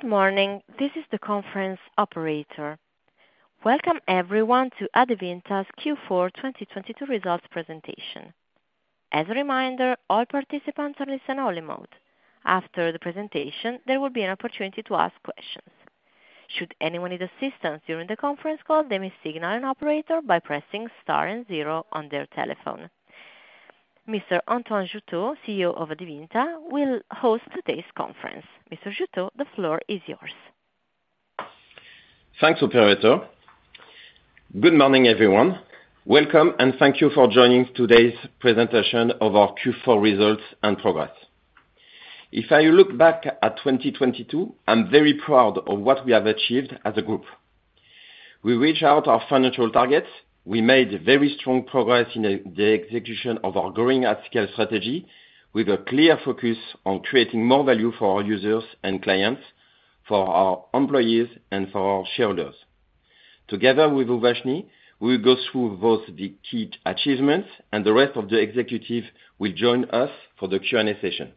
Good morning. This is the conference operator. Welcome everyone to Adevinta's Q4 2022 results presentation. As a reminder, all participants are in listen-only mode. After the presentation, there will be an opportunity to ask questions. Should anyone need assistance during the conference call, they may signal an operator by pressing Star and zero on their telephone. Mr. Antoine Jouteau, CEO of Adevinta, will host today's conference. Mr. Jouteau, the floor is yours. Thanks, operator. Good morning, everyone. Welcome, thank you for joining today's presentation of our Q4 results and progress. If I look back at 2022, I'm very proud of what we have achieved as a group. We reached out our financial targets. We made very strong progress in the execution of our growing at scale strategy with a clear focus on creating more value for our users and clients, for our employees, and for our shareholders. Together with Uvashni, we will go through both the key achievements, the rest of the executive will join us for the Q&A session.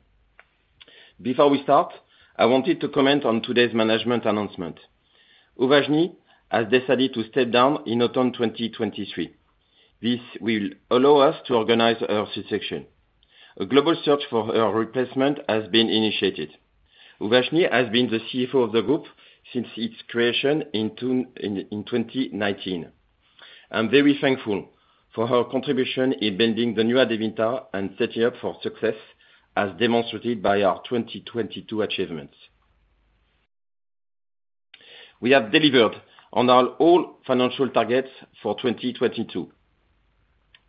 Before we start, I wanted to comment on today's management announcement. Uvashni has decided to step down in autumn 2023. This will allow us to organize her succession. A global search for her replacement has been initiated. Uvashni has been the CFO of the group since its creation in 2019. I'm very thankful for her contribution in building the new Adevinta and setting up for success, as demonstrated by our 2022 achievements. We have delivered on our all financial targets for 2022.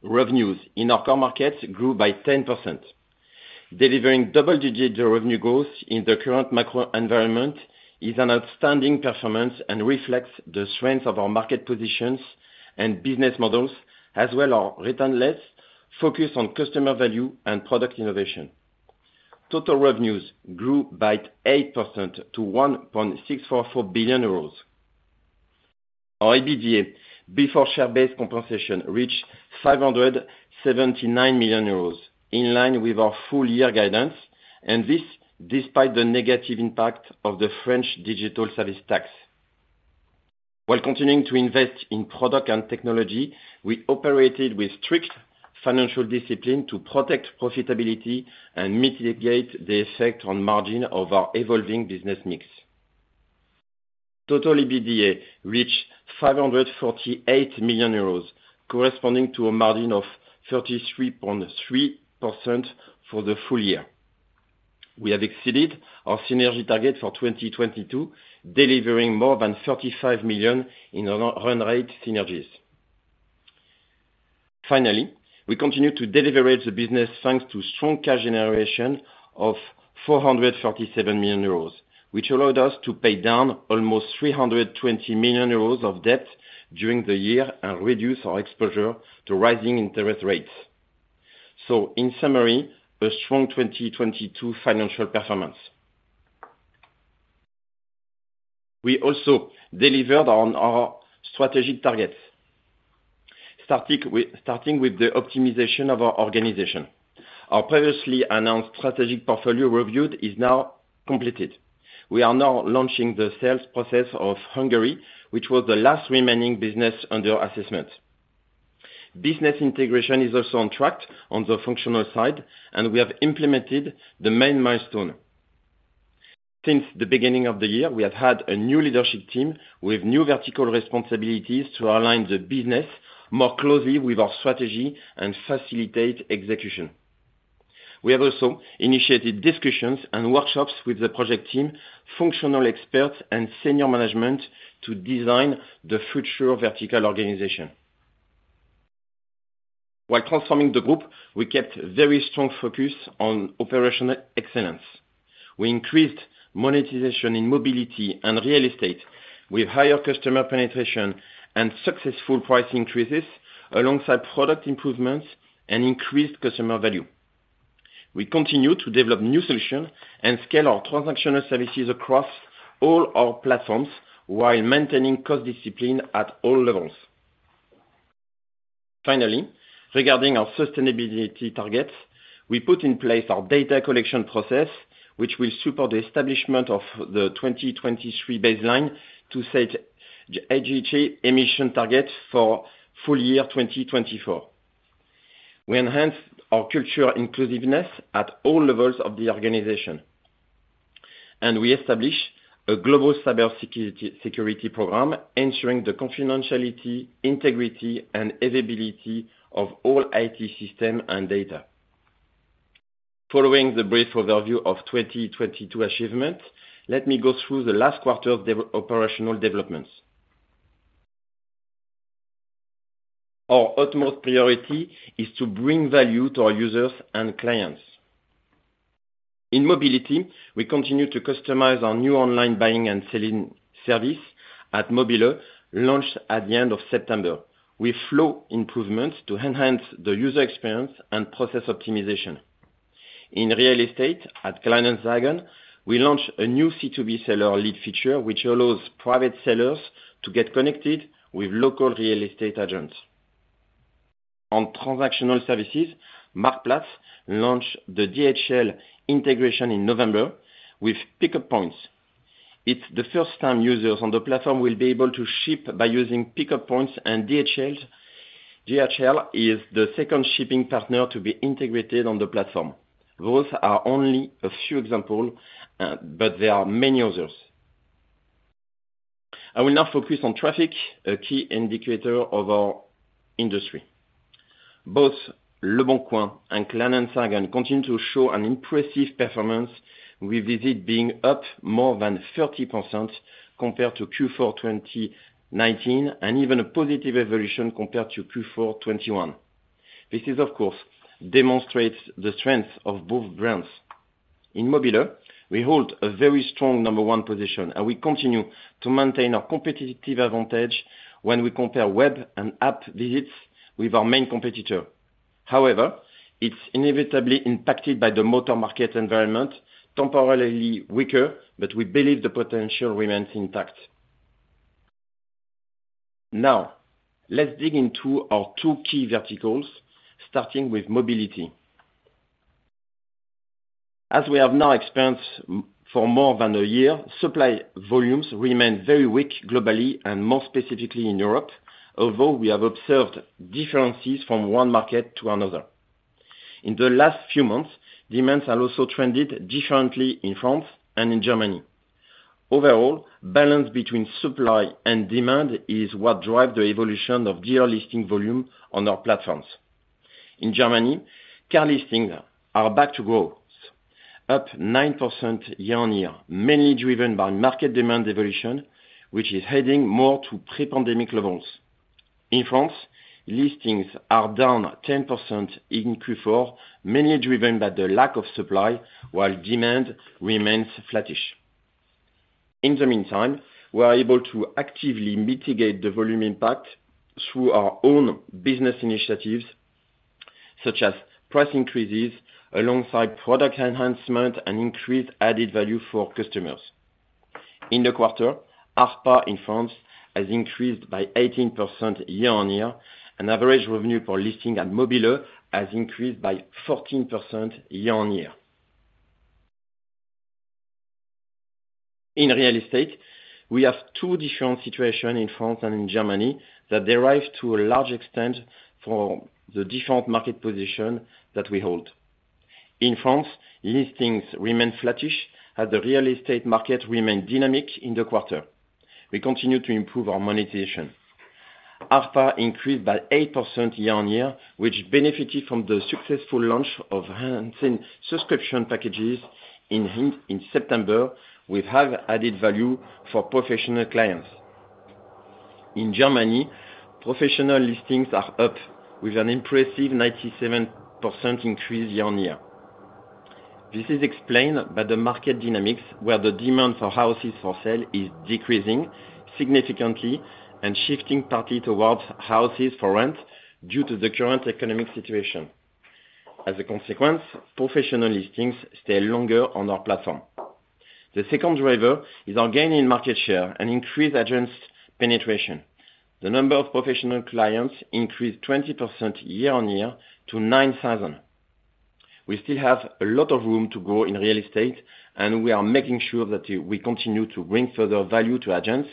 Revenues in our core markets grew by 10%. Delivering double-digit revenue growth in the current macro environment is an outstanding performance and reflects the strength of our market positions and business models, as well our relentless focus on customer value and product innovation. Total revenues grew by 8% to 1.644 billion euros. Our EBITDA before share-based compensation reached 579 million euros, in line with our full-year guidance. This despite the negative impact of the French Digital Service Tax. While continuing to invest in product and technology, we operated with strict financial discipline to protect profitability and mitigate the effect on margin of our evolving business mix. Total EBITDA reached 548 million euros, corresponding to a margin of 33.3% for the full-year. We have exceeded our synergy target for 2022, delivering more than 35 million in run rate synergies. Finally, we continue to de-leverage the business, thanks to strong cash generation of 447 million euros, which allowed us to pay down almost 320 million euros of debt during the year and reduce our exposure to rising interest rates. In summary, a strong 2022 financial performance. We also delivered on our strategic targets, starting with the optimization of our organization. Our previously announced strategic portfolio review is now completed. We are now launching the sales process of Hungary, which was the last remaining business under assessment. Business integration is also on track on the functional side, and we have implemented the main milestone. Since the beginning of the year, we have had a new leadership team with new vertical responsibilities to align the business more closely with our strategy and facilitate execution. We have also initiated discussions and workshops with the project team, functional experts, and senior management to design the future vertical organization. While transforming the group, we kept very strong focus on operational excellence. We increased monetization in mobility and real estate with higher customer penetration and successful price increases alongside product improvements and increased customer value. We continue to develop new solutions and scale our transactional services across all our platforms while maintaining cost discipline at all levels. Finally, regarding our sustainability targets, we put in place our data collection process, which will support the establishment of the 2023 baseline to set GHG emission targets for full-year 2024. We enhanced our culture inclusiveness at all levels of the organization. We established a global cyber security program, ensuring the confidentiality, integrity, and availability of all IT system and data. Following the brief overview of 2022 achievements, let me go through the last quarter operational developments. Our utmost priority is to bring value to our users and clients. In mobility, we continue to customize our new online buying and selling service at mobile.de, launched at the end of September, with flow improvements to enhance the user experience and process optimization. In real estate, at Kleinanzeigen, we launched a new C2B seller lead feature, which allows private sellers to get connected with local real estate agents. On transactional services, Marktplaats launched the DHL integration in November with pickup points. It's the first time users on the platform will be able to ship by using pickup points, and DHL is the second shipping partner to be integrated on the platform. Those are only a few example, but there are many others. I will now focus on traffic, a key indicator of our industry. Both leboncoin and Kleinanzeigen continue to show an impressive performance, with visit being up more than 30% compared to Q4 2019, and even a positive evolution compared to Q4 2021. This is, of course, demonstrates the strength of both brands. In Mobile, we hold a very strong number one position, we continue to maintain our competitive advantage when we compare web and app visits with our main competitor. However, it's inevitably impacted by the motor market environment, temporarily weaker, we believe the potential remains intact. Now, let's dig into our two key verticals, starting with mobility. As we have now experienced for more than a year, supply volumes remain very weak globally and more specifically in Europe, although we have observed differences from one market to another. In the last few months, demands are also trended differently in France and in Germany. Overall, balance between supply and demand is what drive the evolution of year listing volume on our platforms. In Germany, car listings are back to growth, up 9% year-on-year, mainly driven by market demand evolution, which is heading more to pre-pandemic levels. In France, listings are down 10% in Q4, mainly driven by the lack of supply, while demand remains flattish. In the meantime, we are able to actively mitigate the volume impact through our own business initiatives, such as price increases alongside product enhancement and increased added value for customers. In the quarter, ARPA in France has increased by 18% year-on-year, and average revenue per listing at mobile.de has increased by 14% year-on-year. In real estate, we have two different situation in France and in Germany that derive to a large extent from the different market position that we hold. In France, listings remain flattish as the real estate market remained dynamic in the quarter. We continue to improve our monetization. ARPA increased by 8% year-on-year, which benefited from the successful launch of enhancing subscription packages in September with high added value for professional clients. In Germany, professional listings are up with an impressive 97% increase year-on-year. This is explained by the market dynamics, where the demand for houses for sale is decreasing significantly and shifting partly towards houses for rent due to the current economic situation. Professional listings stay longer on our platform. The second driver is our gain in market share and increased agents penetration. The number of professional clients increased 20% year-on-year to 9,000. We still have a lot of room to grow in real estate, we are making sure that we continue to bring further value to agents,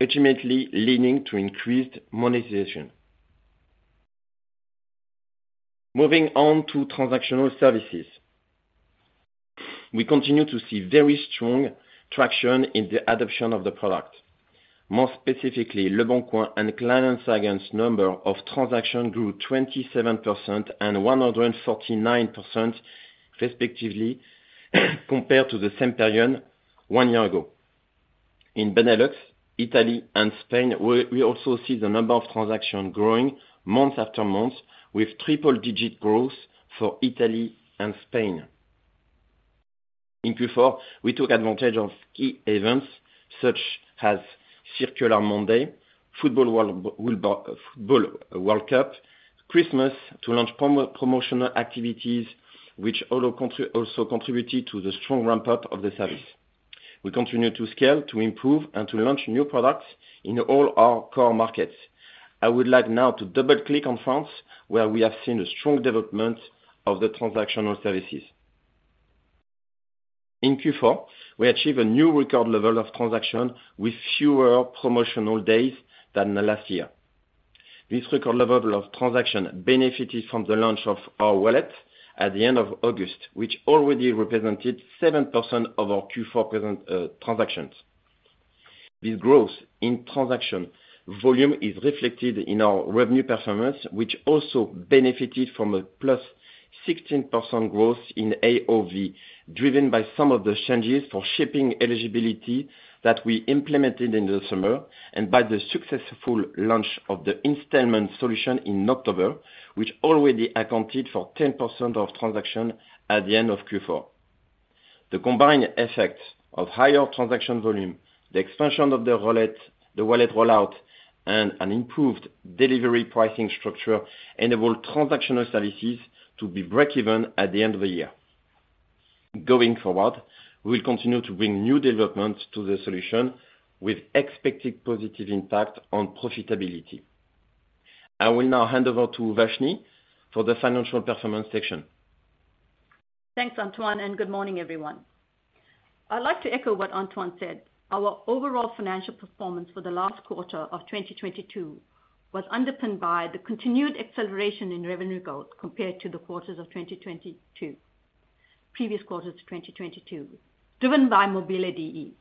ultimately leading to increased monetization. Moving on to transactional services. We continue to see very strong traction in the adoption of the product. More specifically, leboncoin and Kleinanzeigen's number of transaction grew 27% and 149% respectively compared to the same period one year ago. In Benelux, Italy and Spain, we also see the number of transaction growing month-after-month with triple-digit growth for Italy and Spain. In Q4, we took advantage of key events such as Circular Monday, Football World Cup, Christmas to launch promotional activities which also contributed to the strong ramp up of the service. We continue to scale, to improve and to launch new products in all our core markets. I would like now to double-click on France, where we have seen a strong development of the transactional services. In Q4, we achieved a new record level of transaction with fewer promotional days than last year. This record level of transaction benefited from the launch of our wallet at the end of August, which already represented 7% of our Q4 present transactions. This growth in transaction volume is reflected in our revenue performance, which also benefited from a +16% growth in AOV, driven by some of the changes for shipping eligibility that we implemented in the summer and by the successful launch of the installment solution in October, which already accounted for 10% of transaction at the end of Q4. The combined effect of higher transaction volume, the expansion of the wallet, the wallet rollout, and an improved delivery pricing structure enabled transactional services to be breakeven at the end of the year. Going forward, we will continue to bring new developments to the solution with expected positive impact on profitability. I will now hand over to Uvashni for the financial performance section. Thanks, Antoine, good morning, everyone. I'd like to echo what Antoine said. Our overall financial performance for the last quarter of 2022 was underpinned by the continued acceleration in revenue growth compared to the previous quarters of 2022, driven by mobile.de.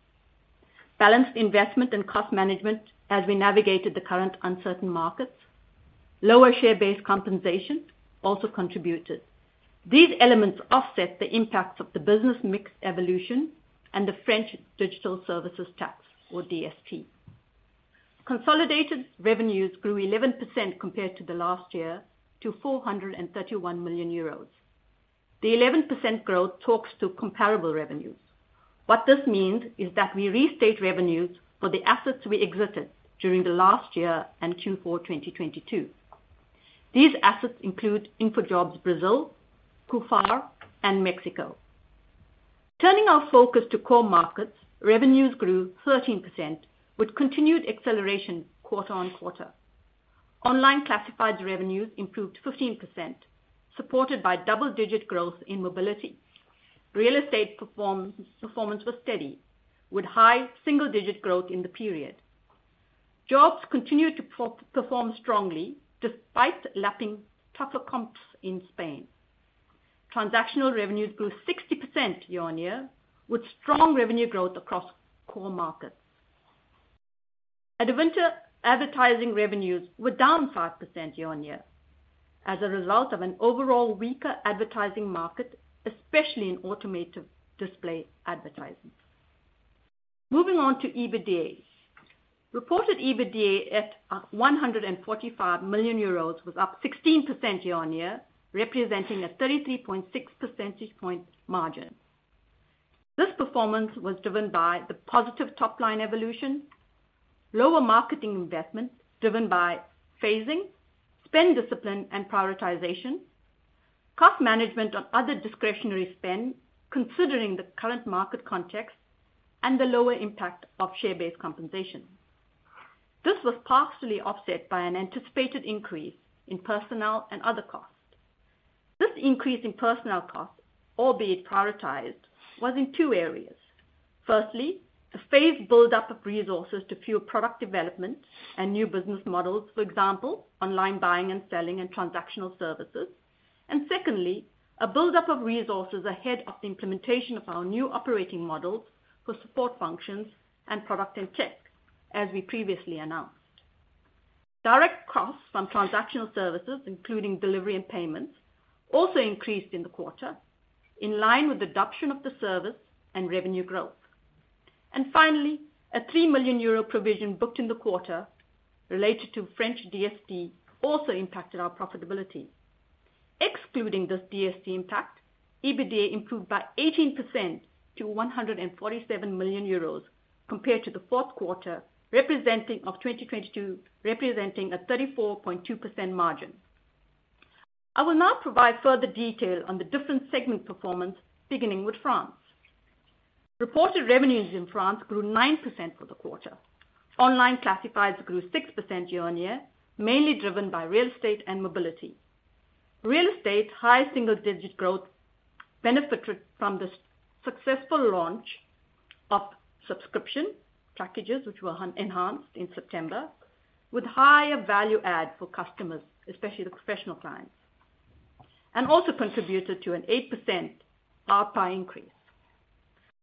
Balanced investment and cost management as we navigated the current uncertain markets. Lower share-based compensation also contributed. These elements offset the impacts of the business mix evolution and the French Digital Service Tax, or DST. Consolidated revenues grew 11% compared to the last year to 431 million euros. The 11% growth talks to comparable revenues. What this means is that we restate revenues for the assets we exited during the last year and Q4, 2022. These assets include InfoJobs Brazil, Kufar, and Mexico. Turning our focus to core markets, revenues grew 13% with continued acceleration quarter-on-quarter. Online classified revenues improved 15%, supported by double-digit growth in mobility. Real estate performance was steady with high single-digit growth in the period. Jobs continued to perform strongly despite lapping tougher comps in Spain. Transactional revenues grew 60% year-on-year with strong revenue growth across core markets. Adevinta advertising revenues were down 5% year-on-year as a result of an overall weaker advertising market, especially in automated display advertising. Moving on to EBITDA. Reported EBITDA at 145 million euros was up 16% year-on-year, representing a 33.6 percentage point margin. This performance was driven by the positive top-line evolution, lower marketing investment driven by phasing, spend discipline, and prioritization, cost management on other discretionary spend, considering the current market context, and the lower impact of share-based compensation. This was partially offset by an anticipated increase in personnel and other costs. This increase in personnel costs, albeit prioritized, was in two areas. Firstly, a phased buildup of resources to fuel product development and new business models, for example, online buying and selling and transactional services. Secondly, a buildup of resources ahead of the implementation of our new operating models for support functions and product and tech, as we previously announced. Direct costs from transactional services, including delivery and payments, also increased in the quarter in line with adoption of the service and revenue growth. Finally, a 3 million euro provision booked in the quarter related to French DST also impacted our profitability. Excluding this DST impact, EBITDA improved by 18% to 147 million euros compared to the fourth quarter of 2022, representing a 34.2% margin. I will now provide further detail on the different segment performance, beginning with France. Reported revenues in France grew 9% for the quarter. Online classifieds grew 6% year-on-year, mainly driven by real estate and mobility. Real estate high single-digit growth benefited from the successful launch of subscription packages, which were enhanced in September, with higher value add for customers, especially the professional clients, and also contributed to an 8% ARPA increase.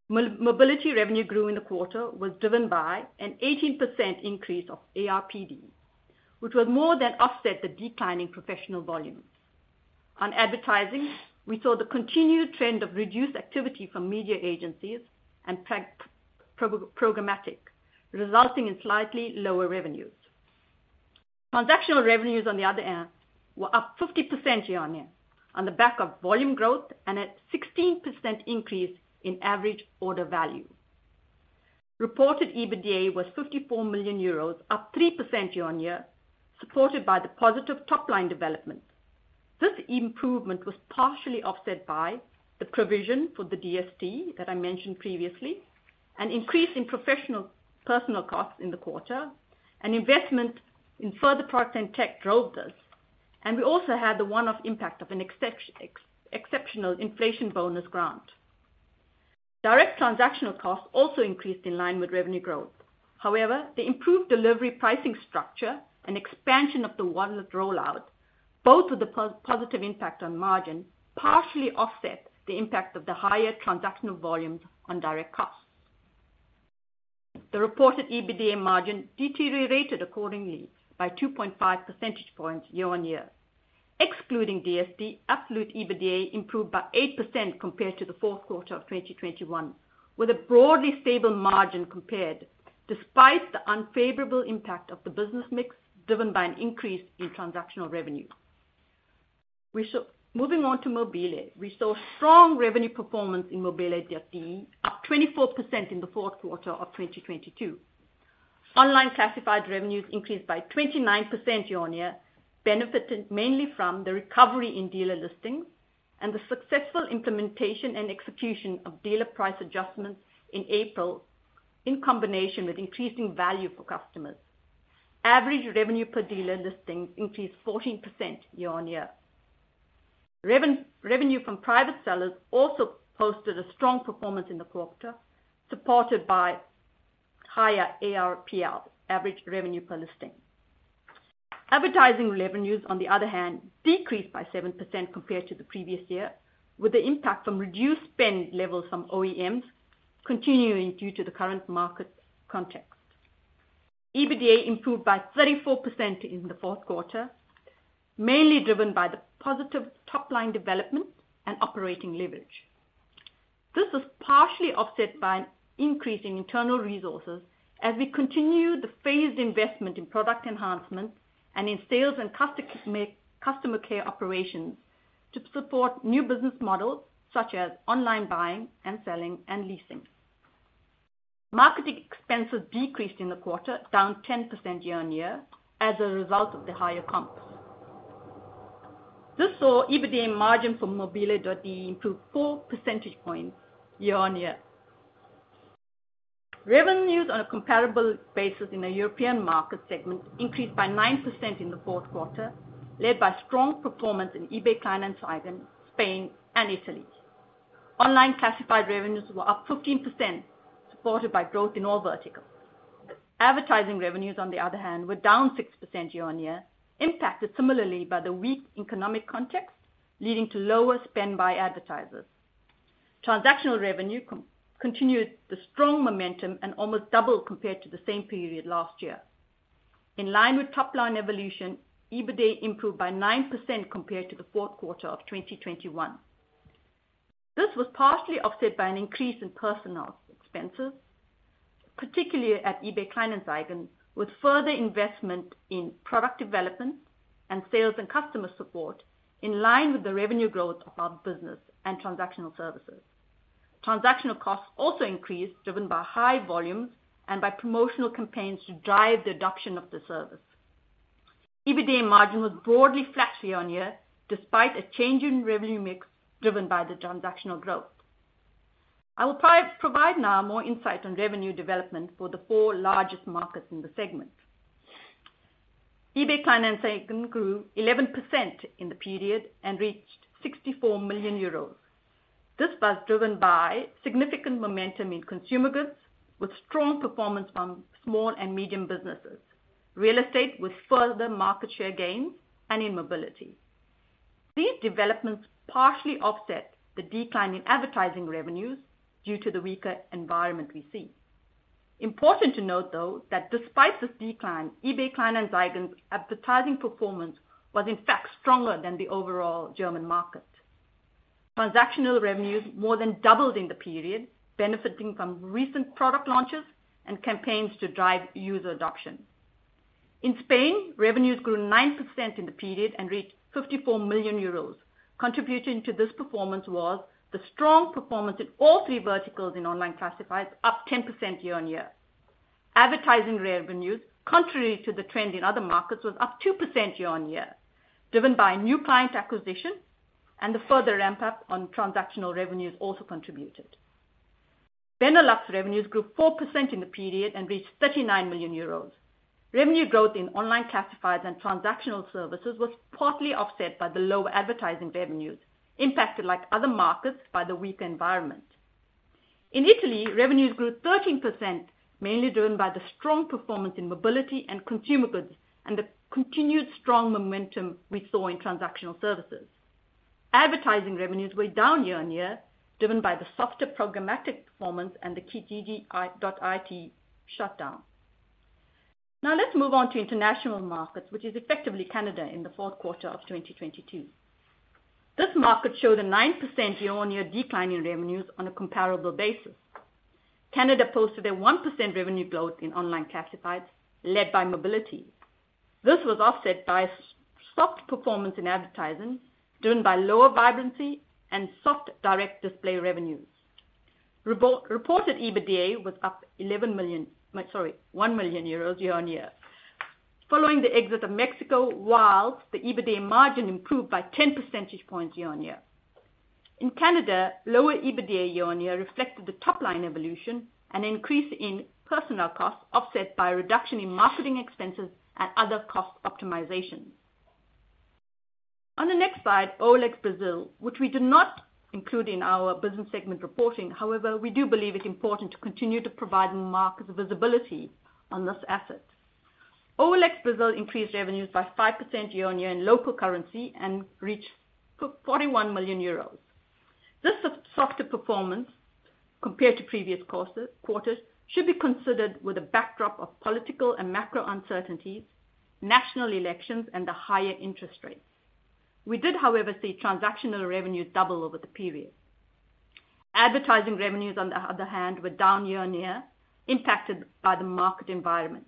Mobility revenue grew in the quarter, was driven by an 18% increase of ARPD, which was more than offset the decline in professional volumes. On advertising, we saw the continued trend of reduced activity from media agencies and programmatic, resulting in slightly lower revenues. Transactional revenues, on the other hand, were up 50% year-over-year on the back of volume growth and a 16% increase in average order value. Reported EBITDA was 54 million euros, up 3% year-over-year, supported by the positive top-line development. This improvement was partially offset by the provision for the DST that I mentioned previously, an increase in professional personal costs in the quarter, and investment in further product and tech drove this. We also had the one-off impact of an exceptional inflation bonus grant. Direct transactional costs also increased in line with revenue growth. However, the improved delivery pricing structure and expansion of the wallet rollout, both with a positive impact on margin, partially offset the impact of the higher transactional volumes on direct costs. The reported EBITDA margin deteriorated accordingly by 2.5 percentage points year-on-year. Excluding DST, absolute EBITDA improved by 8% compared to the fourth quarter of 2021, with a broadly stable margin compared despite the unfavorable impact of the business mix driven by an increase in transactional revenue. Moving on to mobile.de. We saw strong revenue performance in mobile.de, up 24% in the fourth quarter of 2022. Online classified revenues increased by 29% year-on-year, benefiting mainly from the recovery in dealer listings and the successful implementation and execution of dealer price adjustments in April, in combination with increasing value for customers. Average revenue per dealer listing increased 14% year-on-year. Revenue from private sellers also posted a strong performance in the quarter, supported by higher ARPL, Average Revenue Per Listing. Advertising revenues, on the other hand, decreased by 7% compared to the previous year, with the impact from reduced spend levels from OEMs continuing due to the current market context. EBITDA improved by 34% in the fourth quarter, mainly driven by the positive top-line development and operating leverage. This was partially offset by an increase in internal resources as we continue the phased investment in product enhancements and in sales and customer care operations to support new business models, such as online buying and selling and leasing. Marketing expenses decreased in the quarter, down 10% year-on-year as a result of the higher comps. This saw EBITDA margin from mobile.de improve four percentage points year-on-year. Revenues on a comparable basis in the European market segment increased by 9% in the fourth quarter, led by strong performance in eBay Kleinanzeigen, Spain, and Italy. Online classified revenues were up 15%, supported by growth in all verticals. Advertising revenues, on the other hand, were down 6% year-on-year, impacted similarly by the weak economic context, leading to lower spend by advertisers. Transactional revenue continued the strong momentum and almost doubled compared to the same period last year. In line with top-line evolution, EBITDA improved by 9% compared to the fourth quarter of 2021. This was partially offset by an increase in personnel expenses, particularly at eBay Kleinanzeigen, with further investment in product development and sales and customer support in line with the revenue growth of our business and transactional services. Transactional costs also increased, driven by high volumes and by promotional campaigns to drive the adoption of the service. EBITDA margin was broadly flat year-on-year, despite a change in revenue mix driven by the transactional growth. I will provide now more insight on revenue development for the four largest markets in the segment. eBay Kleinanzeigen grew 11% in the period and reached 64 million euros. This was driven by significant momentum in consumer goods, with strong performance from small and medium businesses, real estate with further market share gains and in mobility. These developments partially offset the decline in advertising revenues due to the weaker environment we see. Important to note, though, that despite this decline, eBay Kleinanzeigen's advertising performance was in fact stronger than the overall German market. Transactional revenues more than doubled in the period, benefiting from recent product launches and campaigns to drive user adoption. In Spain, revenues grew 9% in the period and reached 54 million euros. Contributing to this performance was the strong performance in all three verticals in online classifieds, up 10% year-on-year. Advertising revenues, contrary to the trend in other markets, was up 2% year-on-year, driven by new client acquisition and the further ramp-up on transactional revenues also contributed. Benelux revenues grew 4% in the period and reached 39 million euros. Revenue growth in online classifieds and transactional services was partly offset by the lower advertising revenues, impacted like other markets by the weak environment. In Italy, revenues grew 13%, mainly driven by the strong performance in mobility and consumer goods and the continued strong momentum we saw in transactional services. Advertising revenues were down year-on-year, driven by the softer programmatic performance and the Kijiji.it shutdown. Let's move on to international markets, which is effectively Canada in the fourth quarter of 2022. This market showed a 9% year-on-year decline in revenues on a comparable basis. Canada posted a 1% revenue growth in online classifieds, led by mobility. This was offset by soft performance in advertising, driven by lower vibrancy and soft direct display revenues. Reported EBITDA was up 11 million, sorry, 1 million euros year-on-year. Following the exit of Mexico, while the EBITDA margin improved by 10 percentage points year-on-year. In Canada, lower EBITDA year-on-year reflected the top-line evolution, an increase in personnel costs offset by a reduction in marketing expenses and other cost optimizations. On the next slide, OLX Brazil, which we do not include in our business segment reporting. We do believe it's important to continue to provide market visibility on this asset. OLX Brazil increased revenues by 5% year-on-year in local currency and reached 41 million euros. This softer performance compared to previous course-quarters should be considered with a backdrop of political and macro uncertainties, national elections, and the higher interest rates. We did, however, see transactional revenues double over the period. Advertising revenues, on the other hand, were down year-on-year, impacted by the market environment.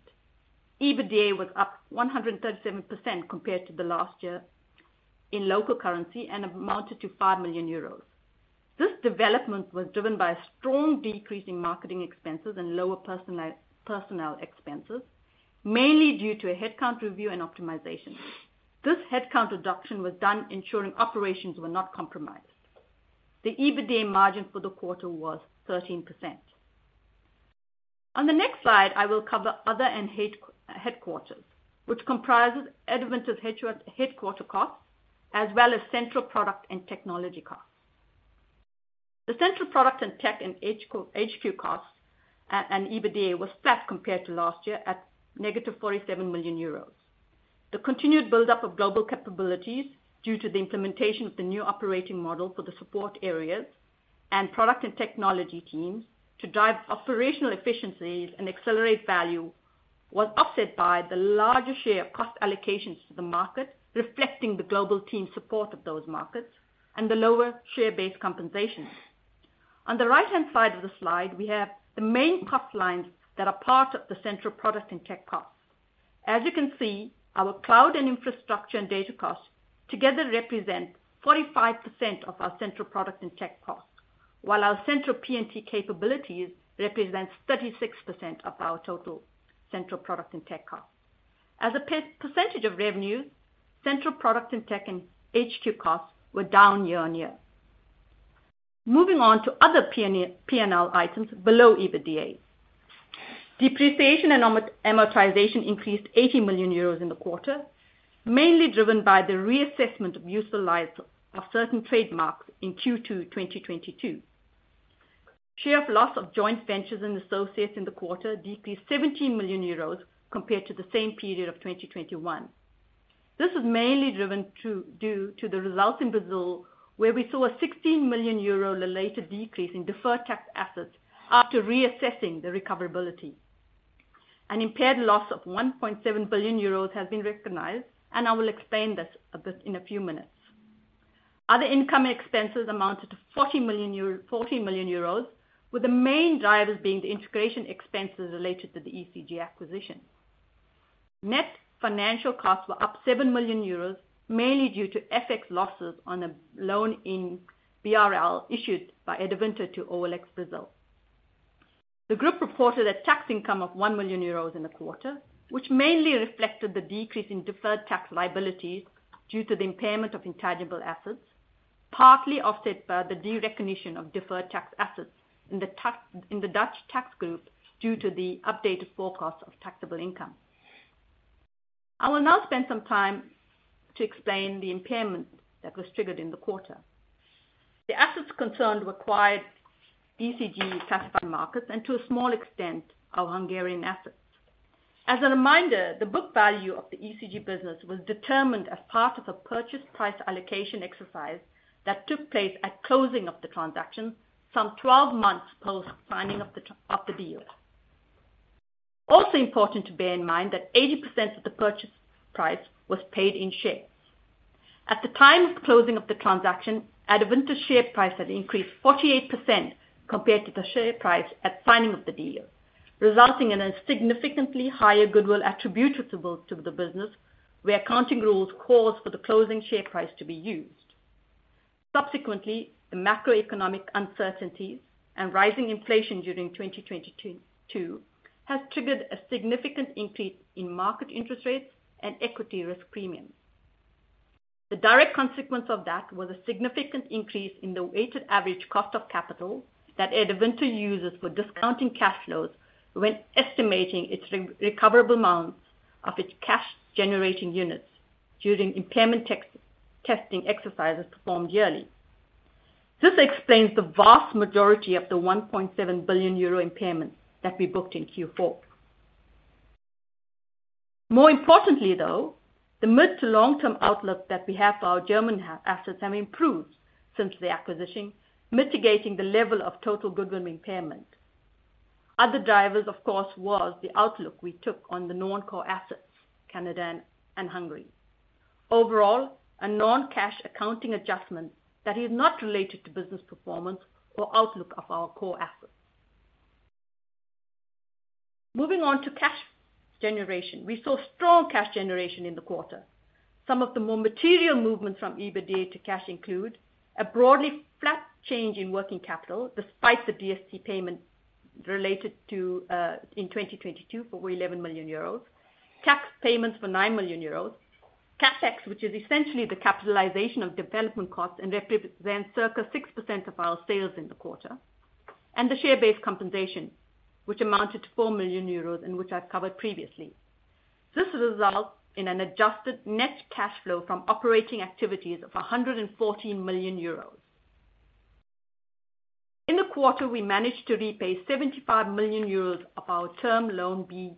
EBITDA was up 137% compared to the last year in local currency and amounted to 5 million euros. This development was driven by a strong decrease in marketing expenses and lower personal expenses, mainly due to a headcount review and optimization. This headcount reduction was done ensuring operations were not compromised. The EBITDA margin for the quarter was 13%. On the next slide, I will cover other and headquarters, which comprises Adevinta's headquarter costs as well as central product and technology costs. The central product and tech and HQ costs and EBITDA was flat compared to last year at negative 47 million euros. The continued build-up of global capabilities due to the implementation of the new operating model for the support areas and product and technology teams to drive operational efficiencies and accelerate value, was offset by the larger share of cost allocations to the market, reflecting the global team support of those markets and the lower share-based compensation. On the right-hand side of the slide, we have the main cost lines that are part of the central product and tech costs. As you can see, our cloud and infrastructure and data costs together represent 45% of our central product and tech costs, while our central P&T capabilities represents 36% of our total central product and tech costs. As a per-percentage of revenue, central products and tech and HQ costs were down year-over-year. Moving on to other P&L items below EBITDA. Depreciation and amortization increased 80 million euros in the quarter, mainly driven by the reassessment of useful life of certain trademarks in Q2, 2022. Share of loss of joint ventures and associates in the quarter decreased 17 million euros compared to the same period of 2021. This was mainly due to the results in Brazil, where we saw a 16 million euro-related decrease in deferred tax assets after reassessing the recoverability. An impaired loss of 1.7 billion euros has been recognized, I will explain this a bit in a few minutes. Other income expenses amounted to 40 million euros, with the main drivers being the integration expenses related to the ECG acquisition. Net financial costs were up 7 million euros mainly due to FX losses on a loan in BRL issued by Adevinta to OLX Brazil. The group reported a tax income of 1 million euros in the quarter, which mainly reflected the decrease in deferred tax liabilities due to the impairment of intangible assets, partly offset by the de-recognition of deferred tax assets in the Dutch tax group due to the updated forecast of taxable income. I will now spend some time to explain the impairment that was triggered in the quarter. The assets concerned were acquired ECG classified markets and to a small extent, our Hungarian assets. As a reminder, the book value of the ECG business was determined as part of a purchase price allocation exercise that took place at closing of the transaction some 12 months post-signing of the deal. Important to bear in mind that 80% of the purchase price was paid in shares. At the time of closing of the transaction, Adevinta's share price had increased 48% compared to the share price at signing of the deal, resulting in a significantly higher goodwill attributable to the business, where accounting rules calls for the closing share price to be used. The macroeconomic uncertainties and rising inflation during 2022 has triggered a significant increase in market interest rates and equity risk premiums. The direct consequence of that was a significant increase in the weighted average cost of capital that Adevinta uses for discounting cash flows when estimating its re-recoverable amounts of its cash-generating units during impairment testing exercises performed yearly. This explains the vast majority of the 1.7 billion euro impairment that we booked in Q4. More importantly, though, the mid to long-term outlook that we have for our German assets have improved since the acquisition, mitigating the level of total goodwill impairment. Other drivers, of course, was the outlook we took on the non-core assets, Canada and Hungary. Overall, a non-cash accounting adjustment that is not related to business performance or outlook of our core assets. Moving on to cash generation. We saw strong cash generation in the quarter. Some of the more material movements from EBITDA to cash include a broadly flat change in working capital, despite the DST payment related to in 2022 for 11 million euros, tax payments for 9 million euros, CapEx, which is essentially the capitalization of development costs and circa 6% of our sales in the quarter, and the share-based compensation, which amounted to 4 million euros and which I've covered previously. This results in an adjusted net cash flow from operating activities of 140 million euros. In the quarter, we managed to repay 75 million euros of our Term Loan B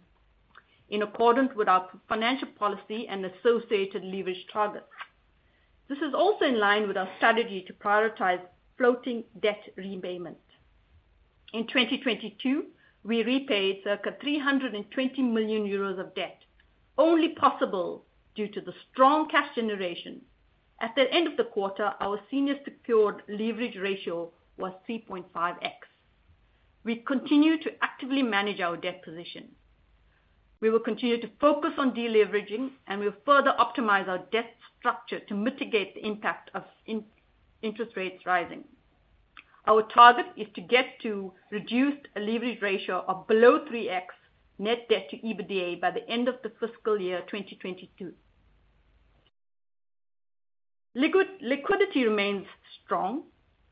in accordance with our financial policy and associated leverage targets. This is also in line with our strategy to prioritize floating debt repayment. In 2022, we repaid circa 320 million euros of debt. Only possible due to the strong cash generation. At the end of the quarter, our senior secured leverage ratio was 3.5x. We continue to actively manage our debt position. We will continue to focus on deleveraging, and we'll further optimize our debt structure to mitigate the impact of interest rates rising. Our target is to get to reduced leverage ratio of below 3x net debt to EBITDA by the end of the fiscal year 2022. Liquidity remains strong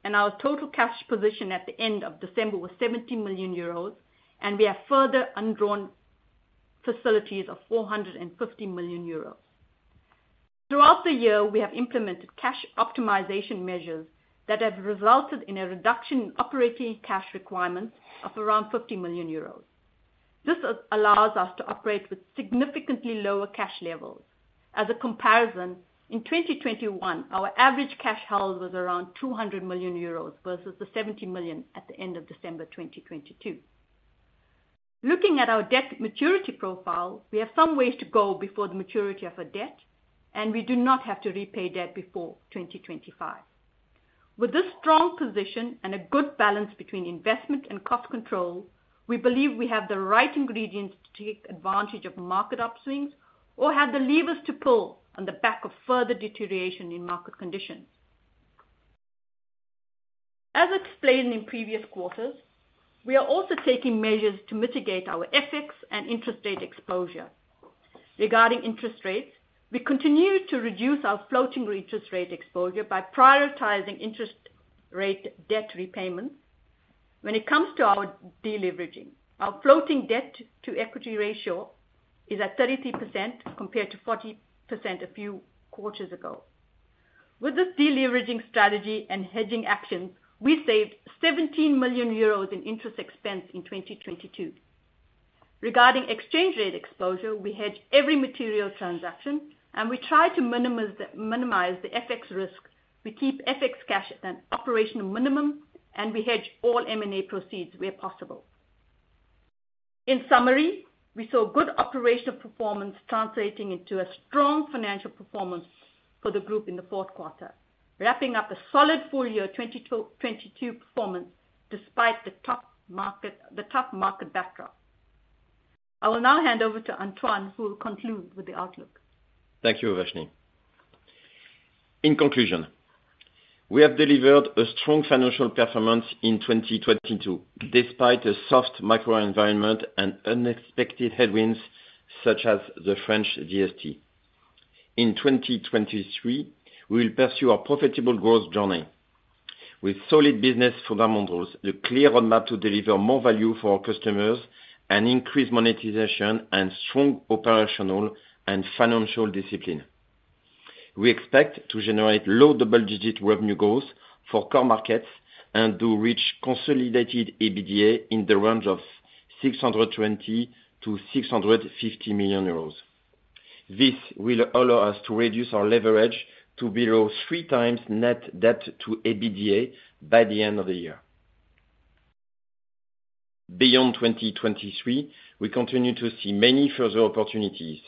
and our total cash position at the end of December was 70 million euros and we have further undrawn facilities of 450 million euros. Throughout the year, we have implemented cash optimization measures that have resulted in a reduction in operating cash requirements of around 50 million euros. This allows us to operate with significantly lower cash levels. As a comparison, in 2021, our average cash held was around 200 million euros versus 70 million at the end of December 2022. Looking at our debt maturity profile, we have some ways to go before the maturity of our debt, and we do not have to repay debt before 2025. With this strong position and a good balance between investment and cost control, we believe we have the right ingredients to take advantage of market upswings or have the levers to pull on the back of further deterioration in market conditions. As explained in previous quarters, we are also taking measures to mitigate our FX and interest rate exposure. Regarding interest rates, we continue to reduce our floating interest rate exposure by prioritizing interest rate debt repayments. When it comes to our deleveraging, our floating debt to equity ratio is at 33% compared to 40% a few quarters ago. With this deleveraging strategy and hedging action, we saved 17 million euros in interest expense in 2022. Regarding exchange rate exposure, we hedge every material transaction and we try to minimize the FX risk. We keep FX cash at an operational minimum, and we hedge all M&A proceeds where possible. In summary, we saw good operational performance translating into a strong financial performance for the group in the fourth quarter, wrapping up a solid full-year 2022 performance despite the tough market backdrop. I will now hand over to Antoine, who will conclude with the outlook. Thank you, Uvashni. In conclusion, we have delivered a strong financial performance in 2022 despite a soft microenvironment and unexpected headwinds such as the French DST. In 2023, we will pursue our profitable growth journey. With solid business fundamentals, the clear roadmap to deliver more value for our customers and increase monetization and strong operational and financial discipline. We expect to generate low double-digit revenue growth for core markets and to reach consolidated EBITDA in the range of 620 million-650 million euros. This will allow us to reduce our leverage to below 3x net debt to EBITDA by the end of the year. Beyond 2023, we continue to see many further opportunities.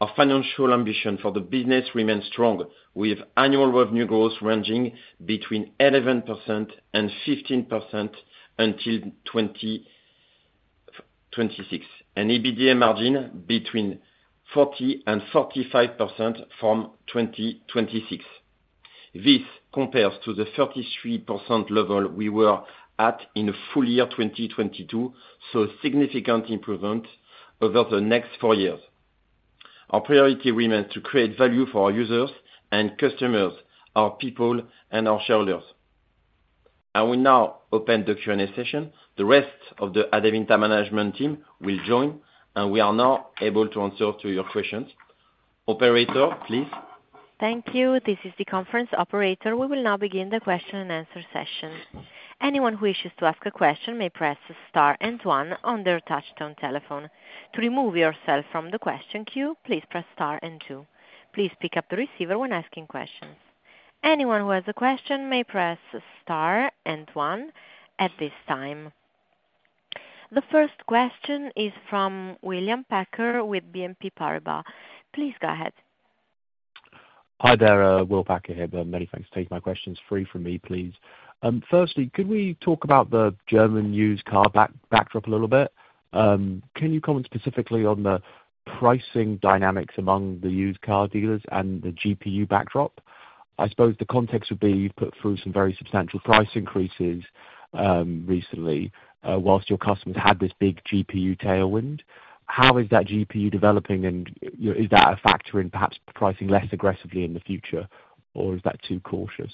Our financial ambition for the business remains strong, with annual revenue growth ranging between 11% and 15% until 2026, an EBITDA margin between 40% and 45% from 2026. This compares to the 33% level we were at in full-year 2022, significant improvement over the next four years. Our priority remains to create value for our users and customers, our people and our shareholders. I will now open the Q&A session. The rest of the Adevinta management team will join and we are now able to answer to your questions. Operator, please. Thank you. This is the conference operator. We will now begin the question-and-answer session. Anyone who wishes to ask a question may press star and one on their touchtone telephone. To remove yourself from the question queue, please press star and two. Please pick up the receiver when asking questions. Anyone who has a question may press star and one at this time. The first question is from William Packer with BNP Paribas. Please go ahead. Hi there, Will Packer here. Many thanks. Take my questions three for me, please. Firstly, could we talk about the German used car back-backdrop a little bit? Can you comment specifically on the pricing dynamics among the used car dealers and the GPU backdrop? I suppose the context would be you've put through some very substantial price increases recently whilst your customers had this big GPU tailwind. How is that GPU developing? You know, is that a factor in perhaps pricing less aggressively in the future, or is that too cautious?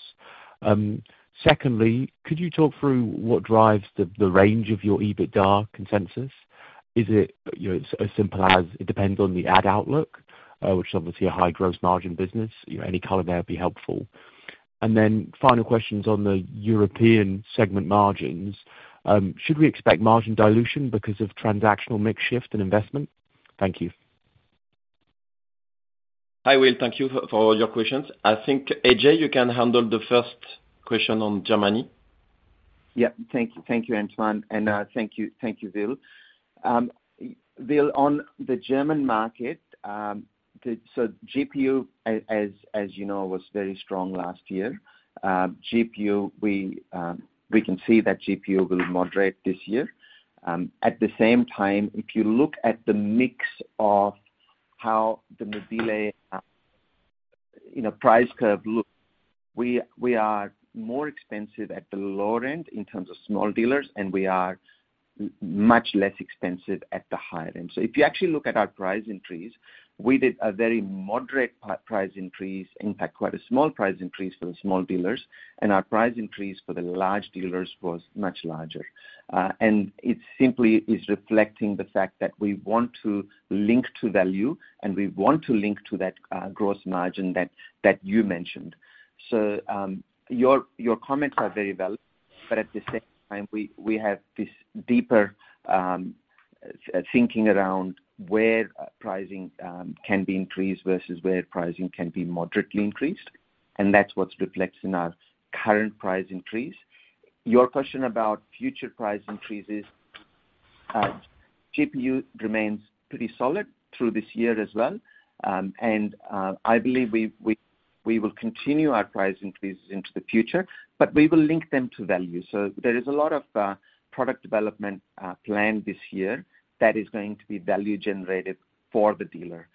Secondly, could you talk through what drives the range of your EBITDA consensus? Is it, you know, as simple as it depends on the ad outlook, which is obviously a high gross margin business? You know, any color there would be helpful. Final questions on the European segment margins. Should we expect margin dilution because of transactional mix shift and investment? Thank you. Hi, Will. Thank you for all your questions. I think, Ajay, you can handle the first question on Germany. Yeah. Thank you, Antoine, and thank you, Will. Will, on the German market, so GPU, as you know, was very strong last year. GPU, we can see that GPU will moderate this year. At the same time, if you look at the mix of how the mobile.de, you know, price curve look, we are more expensive at the lower end in terms of small dealers, and we are much less expensive at the higher end. If you actually look at our price increase, we did a very moderate price increase, in fact, quite a small price increase for the small dealers, and our price increase for the large dealers was much larger. It simply is reflecting the fact that we want to link to value, and we want to link to that gross margin that you mentioned. Your comments are very valid. At the same time, we have this deeper thinking around where pricing can be increased versus where pricing can be moderately increased. That's what's reflecting our current price increase. Your question about future price increases, GPU remains pretty solid through this year as well. I believe we will continue our price increases into the future, but we will link them to value. There is a lot of product development planned this year that is going to be value generated for the dealer.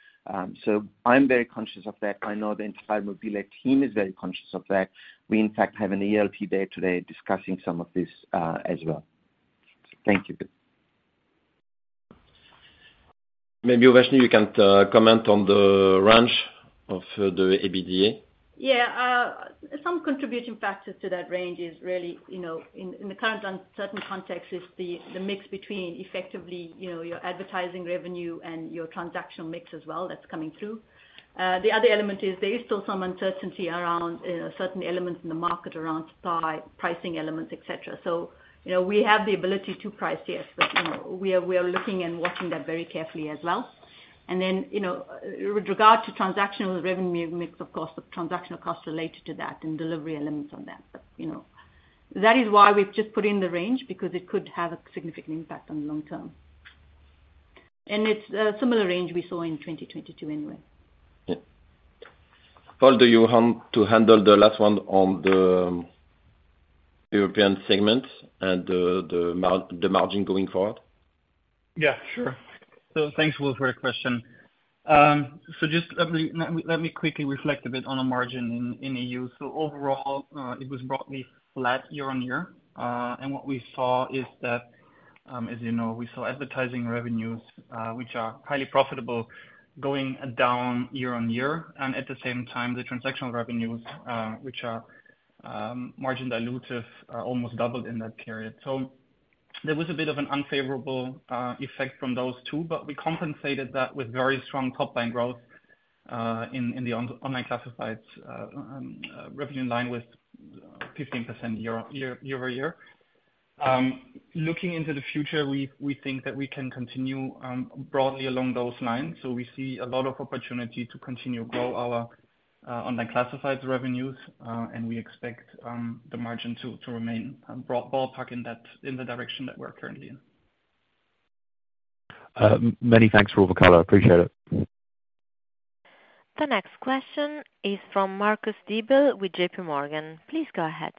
I'm very conscious of that. I know the entire mobile.de team is very conscious of that. We, in fact, have an ELT day today discussing some of this as well. Thank you. Maybe, Uvashni, you can comment on the range of the EBITDA. Yeah. Some contributing factors to that range is really, you know, in the current uncertain context is the mix between effectively, you know, your advertising revenue and your transactional mix as well that's coming through. The other element is there is still some uncertainty around certain elements in the market around supply, pricing elements, et cetera. You know, we have the ability to price, yes, but, you know, we are looking and watching that very carefully as well. You know, with regard to transactional revenue mix, of course, the transactional costs related to that and delivery elements on that. You know. That is why we've just put in the range, because it could have a significant impact on the long term. It's a similar range we saw in 2022 anyway. Yeah. Paul, do you want to handle the last one on the European segment and the margin going forward? Yeah, sure. Thanks, Will, for the question. Just let me quickly reflect a bit on the margin in E.U. Overall, it was broadly flat year-on-year. And what we saw is that, as you know, we saw advertising revenues, which are highly profitable, going down year-on-year. At the same time, the transactional revenues, which are margin dilutive, almost doubled in that period. There was a bit of an unfavorable effect from those two, but we compensated that with very strong top line growth in the online classifieds revenue in line with 15% year-over-year. Looking into the future, we think that we can continue broadly along those lines. We see a lot of opportunity to continue grow our online classifieds revenues, and we expect the margin to remain broad-ballpark in that, in the direction that we're currently in. Many thanks, Paul. I appreciate it. The next question is from Marcus Diebel with JPMorgan. Please go ahead.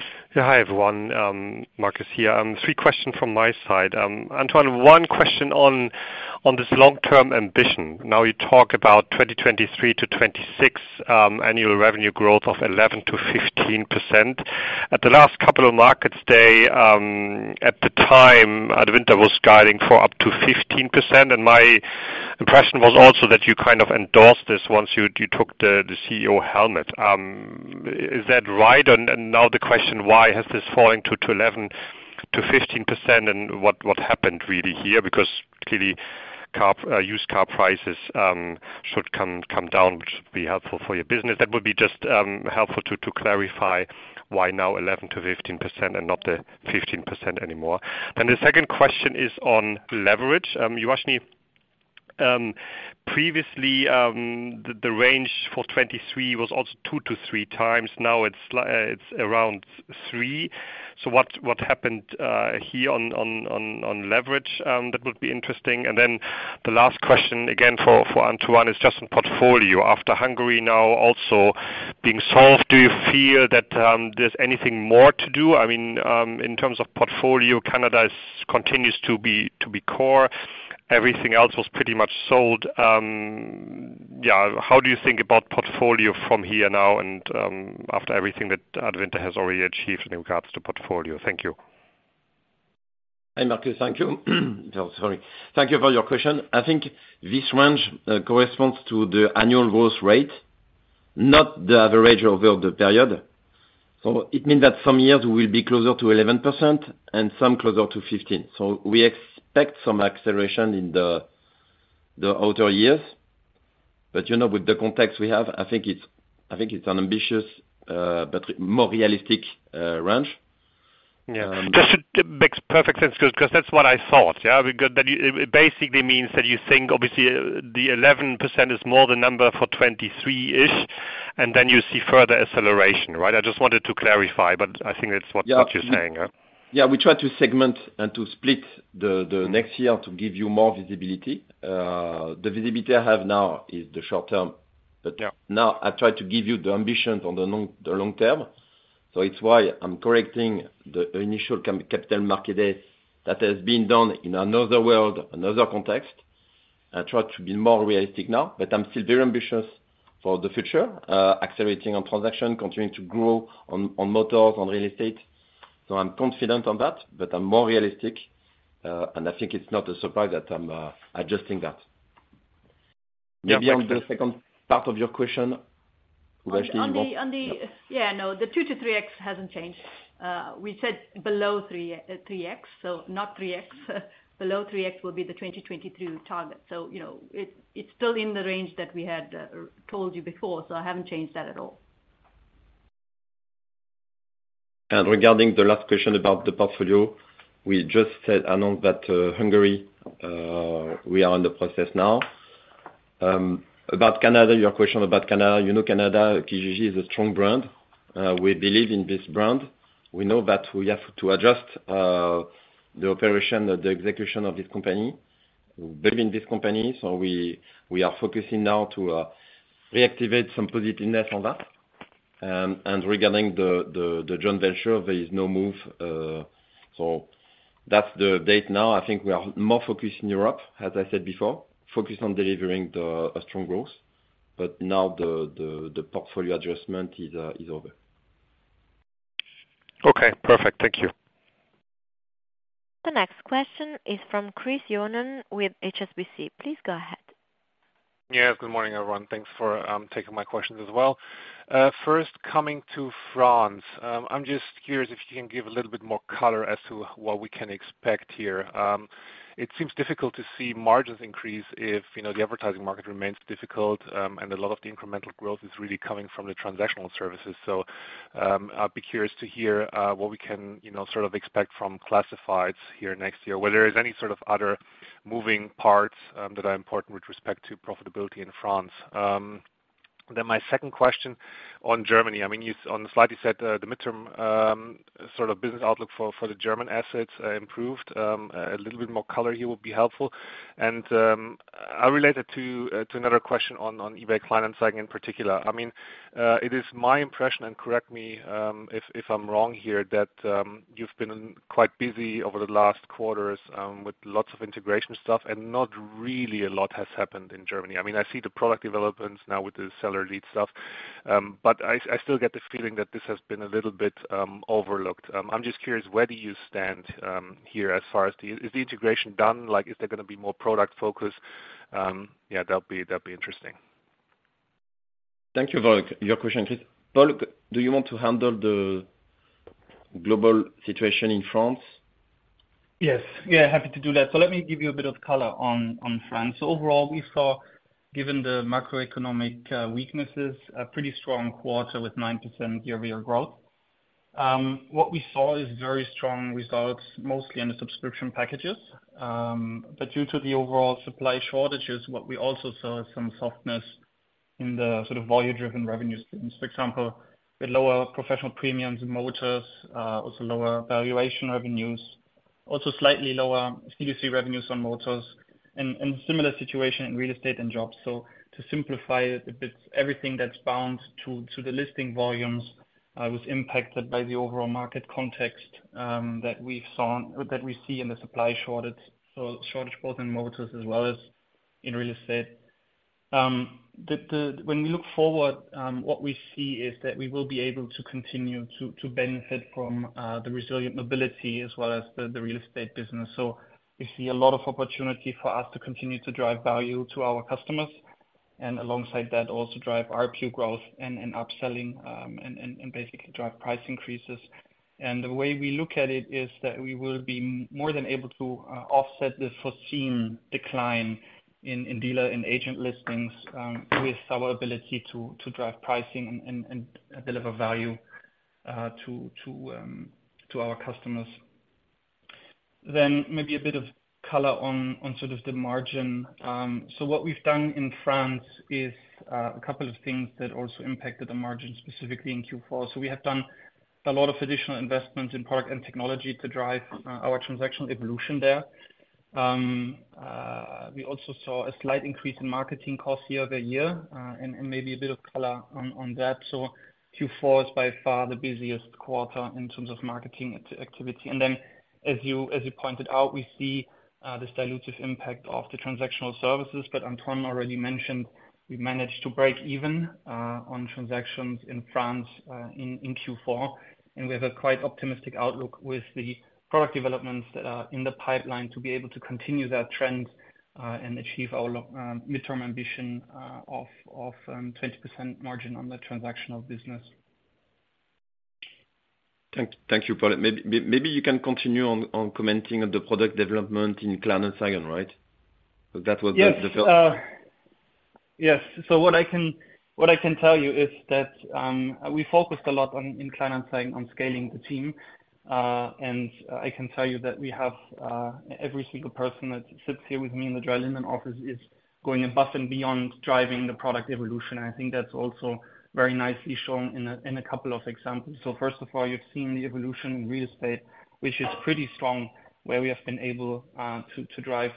Yeah. Hi, everyone. Marcus here. Three questions from my side. Antoine, one question on this long-term ambition. Now you talk about 2023 to 2026, annual revenue growth of 11%-15%. At the last Capital Markets Day, at the time, Adevinta was guiding for up to 15%. My impression was also that you kind of endorsed this once you took the CEO helmet. Is that right? Now the question, why has this fallen to 11%-15%, and what happened really here? Clearly car, used car prices, should come down, which should be helpful for your business. That would be just helpful to clarify why now 11%-15% and not the 15% anymore. The second question is on leverage. Uvashni, previously, the range for 23 was also 2x-3x. Now it's around 3x. What happened here on leverage? That would be interesting. The last question again for Antoine is just on portfolio. After Hungary now also being solved, do you feel that there's anything more to do? I mean, in terms of portfolio, Canada continues to be core. Everything else was pretty much sold. Yeah. How do you think about portfolio from here now and after everything that Adevinta has already achieved in regards to portfolio? Thank you. Hi, Marcus. Thank you. Sorry. Thank you for your question. I think this range corresponds to the annual growth rate, not the average over the period. It means that some years we'll be closer to 11% and some closer to 15. We expect some acceleration in the outer years. You know, with the context we have, I think it's an ambitious, but more realistic range. Yeah. Just makes perfect sense because that's what I thought. Yeah. It basically means that you think obviously the 11% is more the number for 23-ish, and then you see further acceleration, right? I just wanted to clarify, but I think that's what you're saying. Yeah. Yeah. We try to segment and to split the next year to give you more visibility. The visibility I have now is the short term. Now I try to give you the ambitions on the long term. It's why I'm correcting the initial Capital Markets Day that has been done in another world, another context. I try to be more realistic now, but I'm still very ambitious for the future, accelerating on transaction, continuing to grow on motors, on real estate. I'm confident on that, but I'm more realistic, and I think it's not a surprise that I'm adjusting that. Maybe on the second part of your question, actually, Uvashni. The 2x-3x hasn't changed. We said below 3x, so not 3x. Below 3x will be the 2023 target. You know, it's still in the range that we had told you before, so I haven't changed that at all. Regarding the last question about the portfolio, we just announced that Hungary, we are in the process now. About Canada, your question about Canada. You know, Canada, Kijiji is a strong brand. We believe in this brand. We know that we have to adjust the operation, the execution of this company. We believe in this company, we are focusing now to reactivate some positiveness on that. Regarding the joint venture, there is no move. That's the date now. I think we are more focused in Europe, as I said before, focused on delivering a strong growth. Now the portfolio adjustment is over. Okay, perfect. Thank you. The next question is from Chris Johnen with HSBC. Please go ahead. Yes, good morning, everyone. Thanks for taking my questions as well. First coming to France, I'm just curious if you can give a little bit more color as to what we can expect here. It seems difficult to see margins increase if, you know, the advertising market remains difficult, and a lot of the incremental growth is really coming from the transactional services. I'd be curious to hear what we can, you know, sort of expect from classifieds here next year, whether there's any sort of other moving parts that are important with respect to profitability in France. My second question on Germany, I mean, you on the slide, you said the midterm sort of business outlook for the German assets improved. A little bit more color here would be helpful. I relate it to another question on eBay Kleinanzeigen in particular. I mean, it is my impression, and correct me, if I'm wrong here, that you've been quite busy over the last quarters, with lots of integration stuff, and not really a lot has happened in Germany. I mean, I see the product developments now with the seller lead stuff, but I still get the feeling that this has been a little bit overlooked. I'm just curious, where do you stand here as far as the... Is the integration done? Like, is there gonna be more product focus? Yeah, that'll be, that'll be interesting. Thank you for your question, Chris. Paul, do you want to handle the global situation in France? Yes. Yeah, happy to do that. Let me give you a bit of color on France. Overall, we saw, given the macroeconomic weaknesses, a pretty strong quarter with 9% year-over-year growth. What we saw is very strong results, mostly in the subscription packages. Due to the overall supply shortages, what we also saw is some softness in the sort of volume-driven revenue streams. For example, we had lower professional premiums in motors, also lower valuation revenues, also slightly lower C2C revenues on motors, and similar situation in real estate and jobs. To simplify it a bit, everything that's bound to the listing volumes was impacted by the overall market context that we see in the supply shortage, so shortage both in motors as well as in real estate. When we look forward, what we see is that we will be able to continue to benefit from the resilient mobility as well as the real estate business. We see a lot of opportunity for us to continue to drive value to our customers, and alongside that, also drive RP growth and upselling and basically drive price increases. The way we look at it is that we will be more than able to offset the foreseen decline in dealer and agent listings with our ability to drive pricing and deliver value to our customers. Maybe a bit of color on sort of the margin. What we've done in France is a couple of things that also impacted the margin, specifically in Q4. We have done a lot of additional investment in product and technology to drive our transactional evolution there. We also saw a slight increase in marketing costs year-over-year, and maybe a bit of color on that. Q4 is by far the busiest quarter in terms of marketing activity. As you pointed out, we see this dilutive impact of the transactional services. Antoine already mentioned we managed to break even on transactions in France in Q4. We have a quite optimistic outlook with the product developments that are in the pipeline to be able to continue that trend and achieve our midterm ambition of 20% margin on the transactional business. Thank you for that. Maybe you can continue on commenting on the product development in Kleinanzeigen, right? That was the first- Yes. What I can, what I can tell you is that we focused a lot on, in Kleinanzeigen on scaling the team. I can tell you that we have every single person that sits here with me in the Dreilinden office is going above and beyond driving the product evolution. I think that's also very nicely shown in a, in a couple of examples. First of all, you've seen the evolution in real estate, which is pretty strong, where we have been able to drive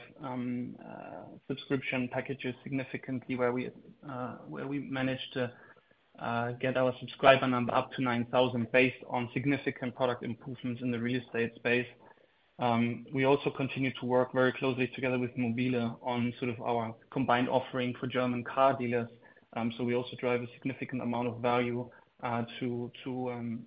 subscription packages significantly, where we managed to get our subscriber number up to 9,000 based on significant product improvements in the real estate space. We also continue to work very closely together with Mobile on sort of our combined offering for German car dealers. We also drive a significant amount of value to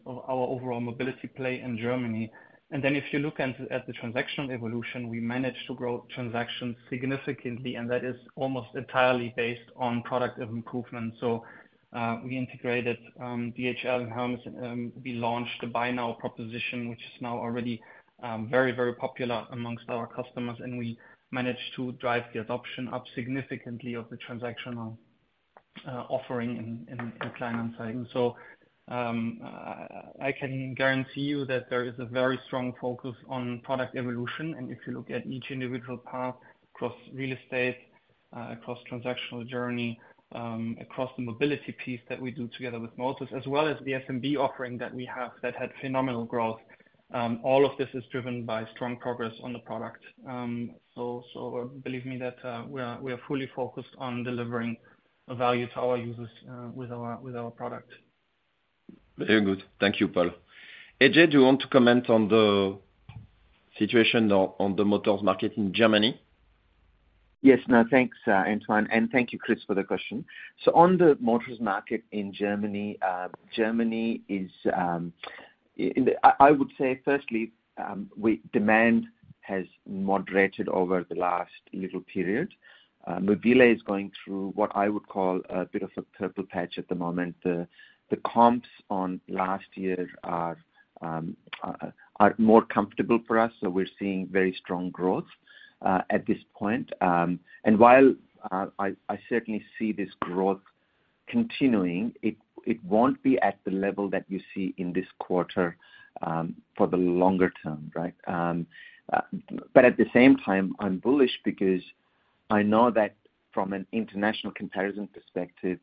our overall mobility play in Germany. If you look at the transactional evolution, we managed to grow transactions significantly, and that is almost entirely based on product improvement. We integrated DHL and Hermes, we launched a buy now proposition, which is now already very, very popular amongst our customers, and we managed to drive the adoption up significantly of the transactional offering in Kleinanzeigen. I can guarantee you that there is a very strong focus on product evolution. If you look at each individual path across real estate, across transactional journey, across the mobility piece that we do together with Motors as well as the SMB offering that we have that had phenomenal growth. All of this is driven by strong progress on the product. Believe me that, we are fully focused on delivering value to our users, with our product. Very good. Thank you, Paul. Ajay, do you want to comment on the situation on the motors market in Germany? Yes. No, thanks, Antoine, and thank you, Chris, for the question. On the motors market in Germany is, I would say firstly, demand has moderated over the last little period. Mobile is going through what I would call a bit of a purple patch at the moment. The comps on last year are more comfortable for us, so we're seeing very strong growth at this point. While I certainly see this growth continuing, it won't be at the level that you see in this quarter for the longer term, right? At the same time, I'm bullish because I know that from an international comparison perspective,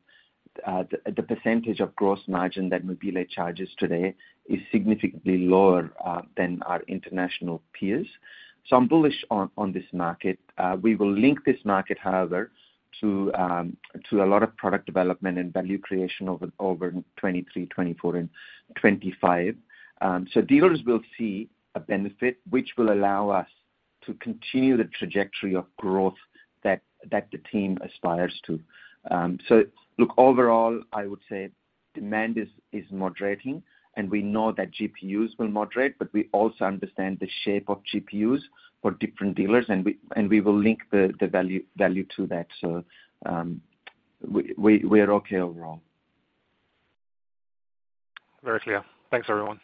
the percentage of gross margin that Mobile charges today is significantly lower than our international peers. I'm bullish on this market. We will link this market, however, to a lot of product development and value creation over 2023, 2024, and 2025. Dealers will see a benefit which will allow us to continue the trajectory of growth that the team aspires to. Look, overall, I would say demand is moderating and we know that GPUs will moderate, but we also understand the shape of GPUs for different dealers, and we will link the value to that. We are okay overall. Very clear. Thanks, everyone.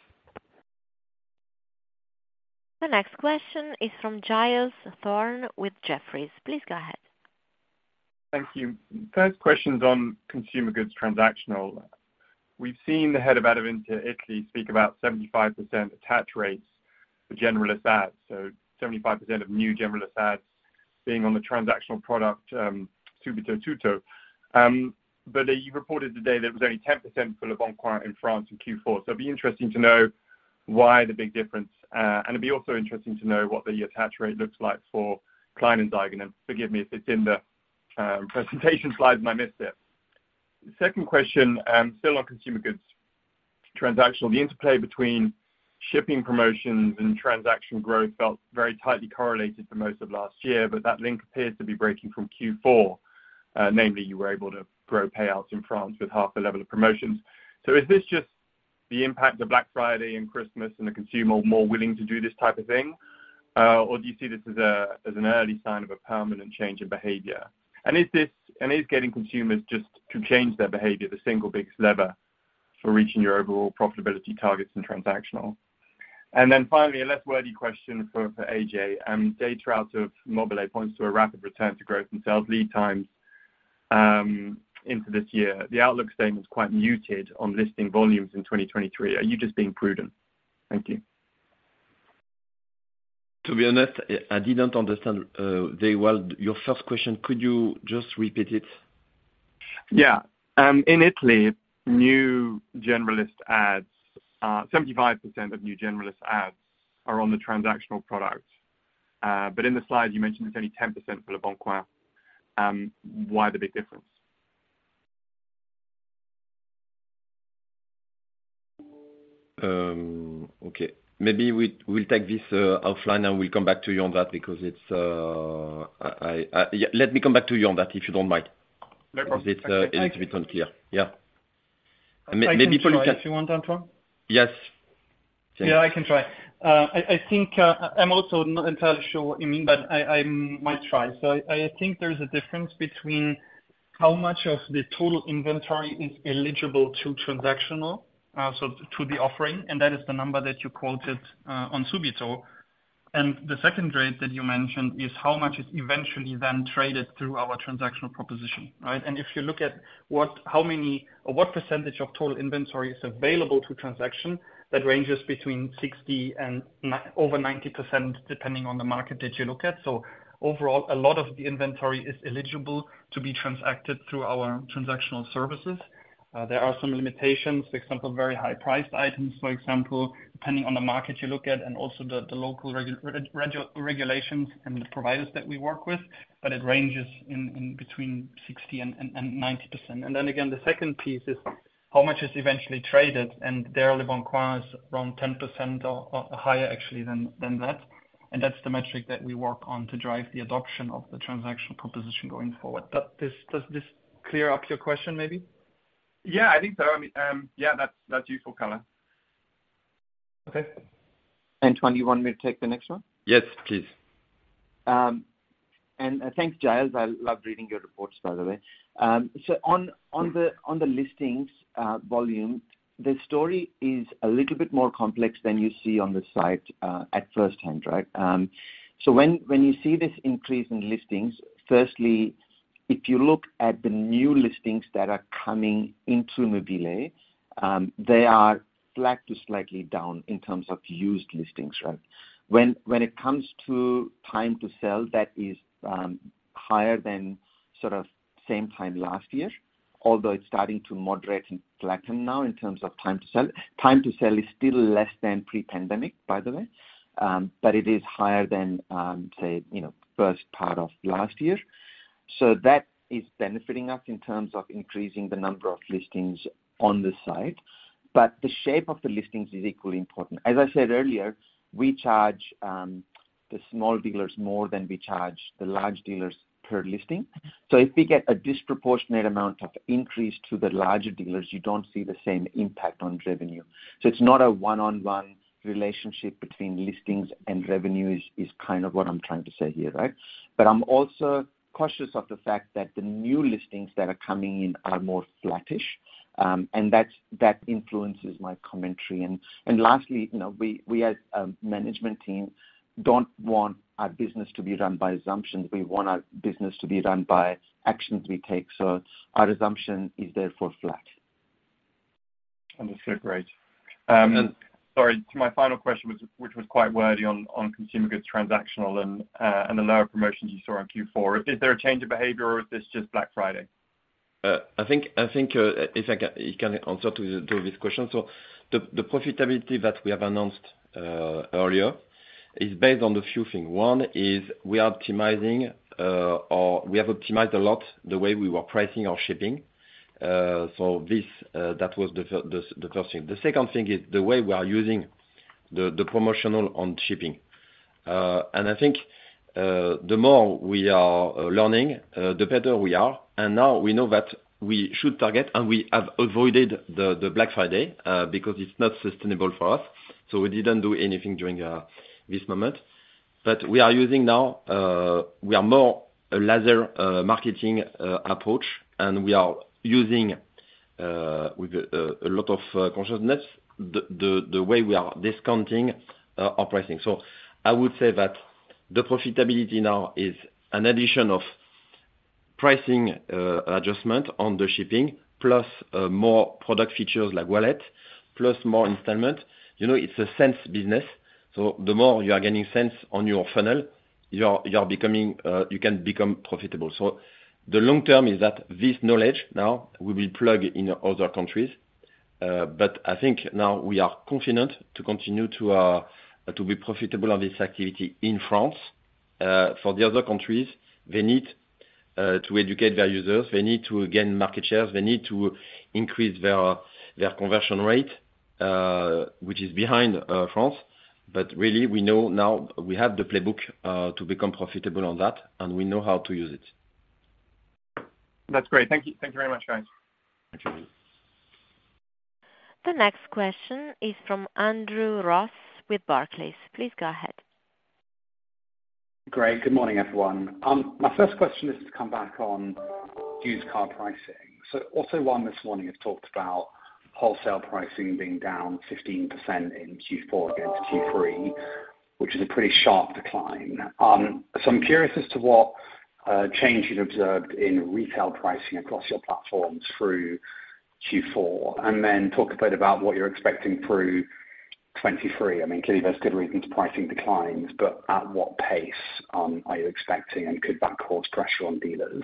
The next question is from Giles Thorne with Jefferies. Please go ahead. Thank you. First question's on consumer goods transactional. We've seen the head of Adevinta Italy speak about 75% attach rates for generalist ads. 75% of new generalist ads being on the transactional product, TuttoSubito. You reported today there was only 10% for leboncoin in France in Q4. It'd be interesting to know why the big difference. It'd be also interesting to know what the attach rate looks like for Kleinanzeigen. Forgive me if it's in the presentation slides and I missed it. Second question, still on consumer goods transactional. The interplay between shipping promotions and transactional growth felt very tightly correlated for most of last year, but that link appears to be breaking from Q4. Namely, you were able to grow payouts in France with half the level of promotions. Is this just the impact of Black Friday and Christmas and the consumer more willing to do this type of thing? Or do you see this as an early sign of a permanent change in behavior? Is getting consumers just to change their behavior, the single biggest lever for reaching your overall profitability targets in transactional? Finally, a less wordy question for Ajay. Data out of Mobile points to a rapid return to growth in sales lead times into this year. The outlook statement is quite muted on listing volumes in 2023. Are you just being prudent? Thank you. To be honest, I didn't understand very well your first question. Could you just repeat it? Yeah. In Italy, new generalist ads, 75% of new generalist ads are on the transactional product. In the slide you mentioned it's only 10% for leboncoin. Why the big difference? Okay. Maybe we'll take this offline, and we'll come back to you on that. Yeah, let me come back to you on that, if you don't mind. No problem. It's a little bit unclear. Yeah. I can try if you want, Antoine. Yes. Yeah, I can try. I think, I'm also not entirely sure what you mean, but I might try. I think there's a difference between how much of the total inventory is eligible to transactional, so to the offering, and that is the number that you quoted, on Subito. The second rate that you mentioned is how much is eventually then traded through our transactional proposition, right? If you look at what, how many or what percentage of total inventory is available to transaction, that ranges between 60% and over 90%, depending on the market that you look at. Overall, a lot of the inventory is eligible to be transacted through our transactional services. There are some limitations, for example, very high-priced items, for example, depending on the market you look at and also the local regulations and the providers that we work with. It ranges in between 60% and 90%. Then again, the second piece is how much is eventually traded, and there is around 10% or higher actually than that. That's the metric that we work on to drive the adoption of the transactional proposition going forward. Does this clear up your question, maybe? Yeah, I think so. I mean, yeah, that's useful color. Okay. Antoine, you want me to take the next one? Yes, please. Thanks, Giles. I love reading your reports, by the way. On the listings, volume, the story is a little bit more complex than you see on the site, at first hand, right? When you see this increase in listings, firstly, if you look at the new listings that are coming into mobile.de, they are flat to slightly down in terms of used listings, right? When it comes to time to sell, that is, higher than sort of same time last year, although it's starting to moderate and flatten now in terms of time to sell. Time to sell is still less than pre-pandemic, by the way. It is higher than, say, you know, first part of last year. That is benefiting us in terms of increasing the number of listings on the site. The shape of the listings is equally important. As I said earlier, we charge the small dealers more than we charge the large dealers per listing. If we get a disproportionate amount of increase to the larger dealers, you don't see the same impact on revenue. It's not a one-on-one relationship between listings and revenue is kind of what I'm trying to say here, right? I'm also cautious of the fact that the new listings that are coming in are more flattish, and that influences my commentary. Lastly, you know, we as a management team don't want our business to be run by assumptions. We want our business to be run by actions we take, so our assumption is therefore flat. Understood. Great. sorry, my final question was, which was quite wordy on consumer goods transactional and the lower promotions you saw in Q4. Is there a change of behavior or is this just Black Friday? I think if I can answer to this question. The profitability that we have announced earlier is based on a few thing. One is we are optimizing, or we have optimized a lot the way we were pricing our shipping. This that was the first thing. The second thing is the way we are using the promotional on shipping. I think the more we are learning, the better we are. Now we know that we should target, and we have avoided the Black Friday, because it's not sustainable for us. We didn't do anything during this moment. We are using now, we are more a laser marketing approach, and we are using with a lot of consciousness the way we are discounting our pricing. I would say that the profitability now is an addition of pricing adjustment on the shipping plus more product features like wallet, plus more installment. You know, it's a sense business, the more you are getting sense on your funnel, you can become profitable. The long term is that this knowledge now will be plugged in other countries. I think now we are confident to continue to be profitable on this activity in France. For the other countries, they need to educate their users. They need to gain market shares. They need to increase their conversion rate, which is behind France. Really, we know now we have the playbook to become profitable on that, and we know how to use it. That's great. Thank you. Thank you very much, guys. Thank you. The next question is from Andrew Ross with Barclays. Please go ahead. Great. Good morning, everyone. My first question is to come back on used car pricing. Auto1 this morning has talked about wholesale pricing being down 15% in Q4 against Q3, which is a pretty sharp decline. I'm curious as to what change you've observed in retail pricing across your platforms through Q4. Talk a bit about what you're expecting through 2023. I mean, clearly there's good reasons pricing declines, but at what pace are you expecting, and could that cause pressure on dealers?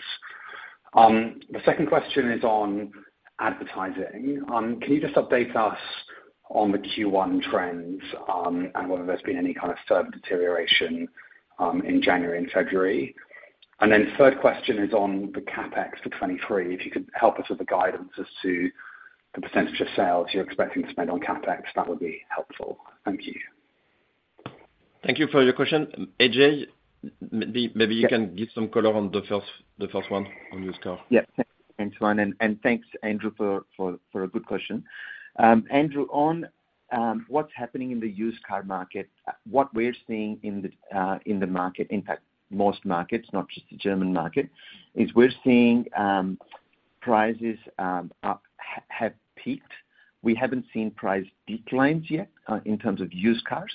The second question is on advertising. Can you just update us on the Q1 trends, and whether there's been any kind of further deterioration in January and February? Third question is on the CapEx for 2023. If you could help us with the guidance as to the percentage of sales you're expecting to spend on CapEx, that would be helpful. Thank you. Thank you for your question. Ajay, maybe you can give some color on the first one on used cars. Yeah. Thanks, Antoine, and thanks, Andrew, for a good question. Andrew, on what's happening in the used car market, what we're seeing in the market, in fact, most markets, not just the German market, is we're seeing prices have peaked. We haven't seen price declines yet, in terms of used cars.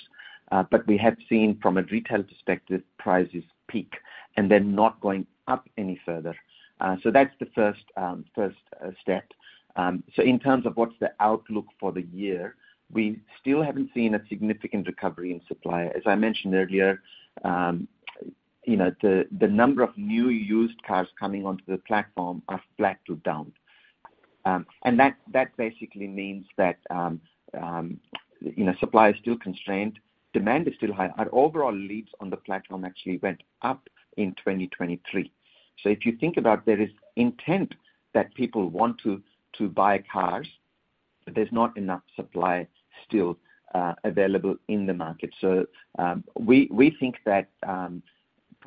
We have seen from a retail perspective, prices peak and then not going up any further. That's the first step. In terms of what's the outlook for the year, we still haven't seen a significant recovery in supply. As I mentioned earlier, you know, the number of new used cars coming onto the platform are flat to down. That basically means that, you know, supply is still constrained, demand is still high, our overall leads on the platform actually went up in 2023. If you think about there is intent that people want to buy cars, but there's not enough supply still available in the market. We think that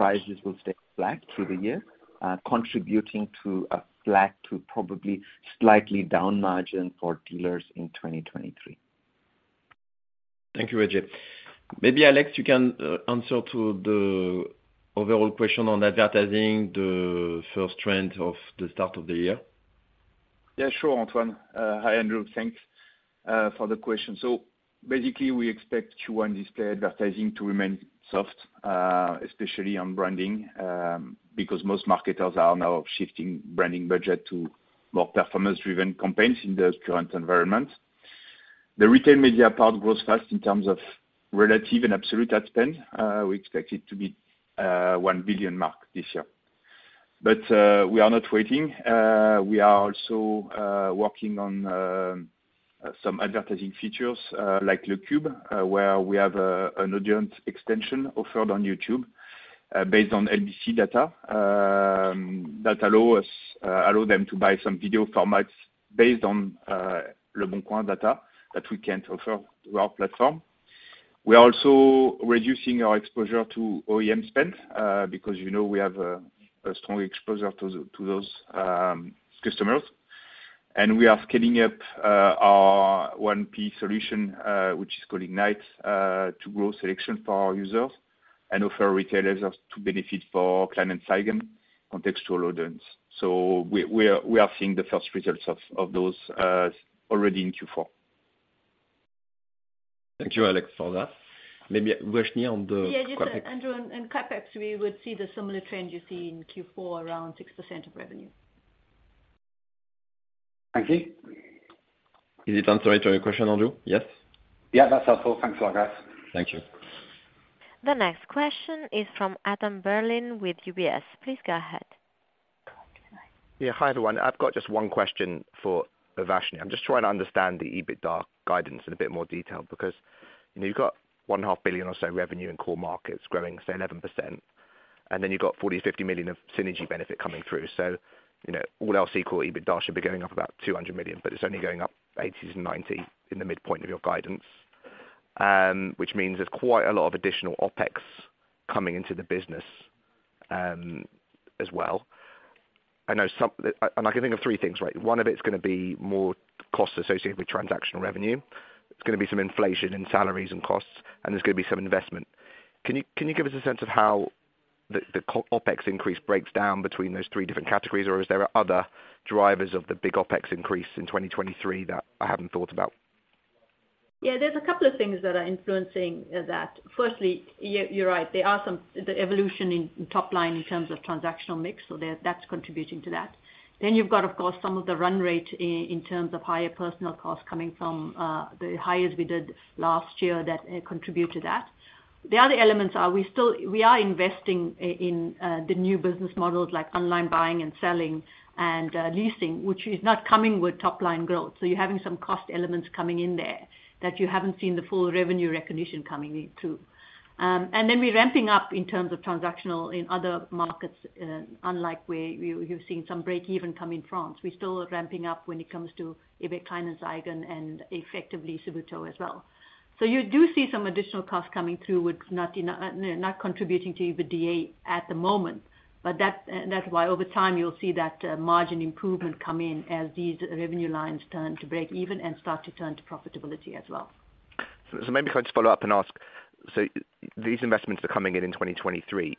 prices will stay flat through the year, contributing to a flat to probably slightly down margin for dealers in 2023. Thank you, Ajit. Maybe Alex, you can answer to the overall question on advertising the first trend of the start of the year. Yeah, sure, Antoine. Hi, Andrew. Thanks for the question. Basically, we expect Q1 display advertising to remain soft, especially on branding, because most marketers are now shifting branding budget to more performance-driven campaigns in this current environment. The retail media part grows fast in terms of relative and absolute ad spend. We expect it to be 1 billion mark this year. We are not waiting. We are also working on some advertising features, like Le Cube, where we have an audience extension offered on YouTube, based on LBC data, that allow us, allow them to buy some video formats based on leboncoin data that we can offer through our platform. We are also reducing our exposure to OEM spend, because, you know, we have a strong exposure to those customers. We are scaling up our one piece solution, which is called Ignite, to grow selection for our users and offer retailers as to benefit for Kleinanzeigen contextual audience. We are seeing the first results of those already in Q4. Thank you, Alex, for that. Maybe Uvashni on the- Yeah. Just on, Andrew, on CapEx, we would see the similar trend you see in Q4 around 6% of revenue. Thank you. Is it answer to your question, Andrew? Yes. Yeah, that's helpful. Thanks a lot, guys. Thank you. The next question is from Adam Berlin with UBS. Please go ahead. Yeah. Hi, everyone. I've got just one question for Urvashi. I'm just trying to understand the EBITDA guidance in a bit more detail because you've got one and a half billion or so revenue in core markets growing say 11%, and then you've got 40 million-50 million of synergy benefit coming through. You know, all else equal, EBITDA should be going up about 200 million, but it's only going up 80 million and 90 million in the midpoint of your guidance, which means there's quite a lot of additional OpEx coming into the business, as well. And I can think of three things, right? One of it's gonna be more costs associated with transactional revenue. It's gonna be some inflation in salaries and costs, and there's gonna be some investment. Can you give us a sense of how the OpEx increase breaks down between those three different categories? Or is there are other drivers of the big OpEx increase in 2023 that I haven't thought about? Yeah, there's a couple of things that are influencing that. Firstly, you're right. There are some. The evolution in top line in terms of transactional mix. That's contributing to that. You've got, of course, some of the run rate in terms of higher personnel costs coming from the hires we did last year that contribute to that. The other elements are we are investing in the new business models like online buying and selling and leasing, which is not coming with top line growth. You're having some cost elements coming in there that you haven't seen the full revenue recognition coming in through. We're ramping up in terms of transactional in other markets. Unlike where we've seen some break even come in France. We still are ramping up when it comes to eBay Kleinanzeigen and effectively Subito as well. You do see some additional costs coming through with not contributing to EBITDA at the moment, but that's why over time you'll see that margin improvement come in as these revenue lines turn to break even and start to turn to profitability as well. Maybe can I just follow up and ask, so these investments are coming in in 2023,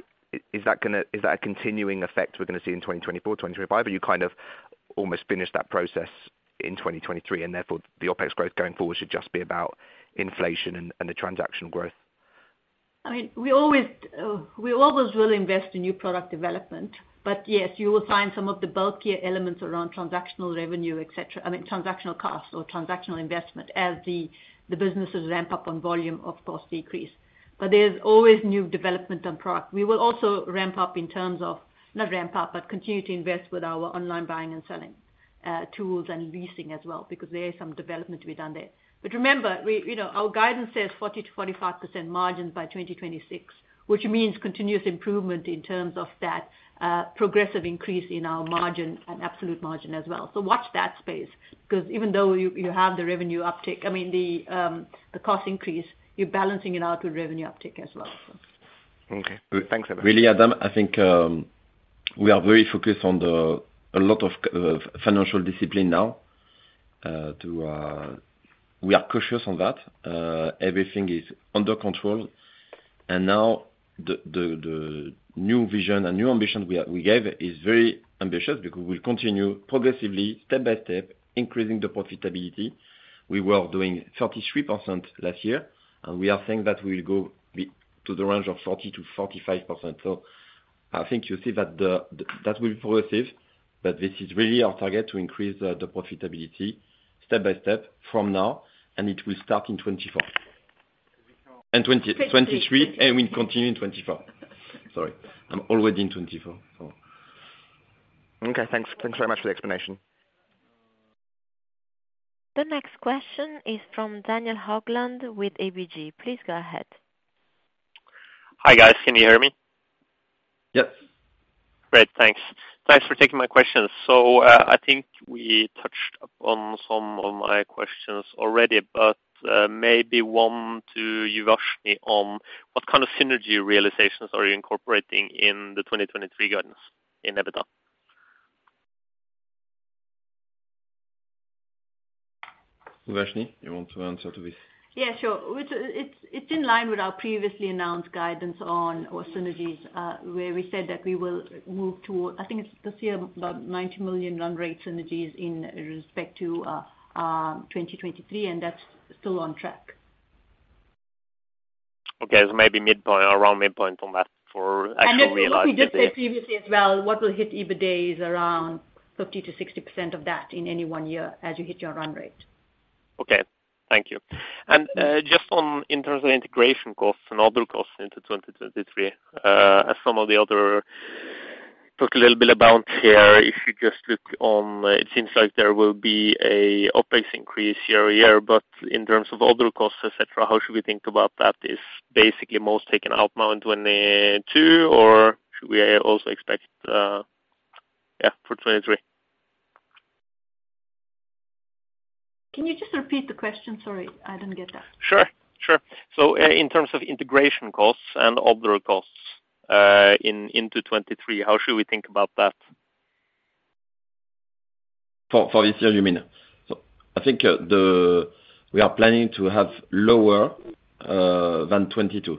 is that a continuing effect we're gonna see in 2024, 2025, or you kind of almost finished that process in 2023, and therefore the OpEx growth going forward should just be about inflation and the transactional growth? I mean, we always will invest in new product development. Yes, you will find some of the bulkier elements around transactional revenue, et cetera. I mean, transactional costs or transactional investment as the businesses ramp up and volume of course decrease. There's always new development on product. We will also continue to invest with our online buying and selling tools and leasing as well because there is some development to be done there. Remember, you know, our guidance says 40%-45% margins by 2026, which means continuous improvement in terms of that progressive increase in our margin and absolute margin as well. Watch that space because even though you have the revenue uptick, I mean, the cost increase, you're balancing it out with revenue uptick as well. Okay. Thanks everyone. Really, Adam, I think, we are very focused on a lot of financial discipline now to. We are cautious on that. Everything is under control. Now the new vision and new ambition we gave is very ambitious because we'll continue progressively, step by step, increasing the profitability. We were doing 33% last year, and we are saying that we'll go to the range of 40%-45%. I think you'll see that that will progressive, but this is really our target to increase the profitability step by step from now, and it will start in 2024. In 2023, and we continue in 2024. Sorry, I'm always in 2024, so. Okay, thanks. Thanks very much for the explanation. The next question is from Daniel Haugland with ABG. Please go ahead. Hi, guys. Can you hear me? Yes. Great. Thanks. Thanks for taking my questions. I think we touched upon some of my questions already, but maybe one to Uvashni on what kind of synergy realizations are you incorporating in the 2023 guidance in EBITDA? Uvashni, you want to answer to this? Yeah, sure. It's in line with our previously announced guidance on our synergies, where we said that we will move toward, I think, it's this year, about 90 million run rate synergies in respect to 2023. That's still on track. Okay. maybe midpoint or around midpoint on that for actual realization. As we just said previously as well, what will hit EBITDA is around 50%-60% of that in any one year as you hit your run rate. Okay. Thank you. Just in terms of integration costs and other costs into 2023, as some of the other talk a little bit about here, it seems like there will be a OpEx increase year over year. In terms of other costs, et cetera, how should we think about that? Is basically most taken out now in 2022, or should we also expect, yeah, for 2023? Can you just repeat the question? Sorry, I didn't get that. Sure, sure. In terms of integration costs and other costs, into 2023, how should we think about that? For this year you mean? I think we are planning to have lower than 2022.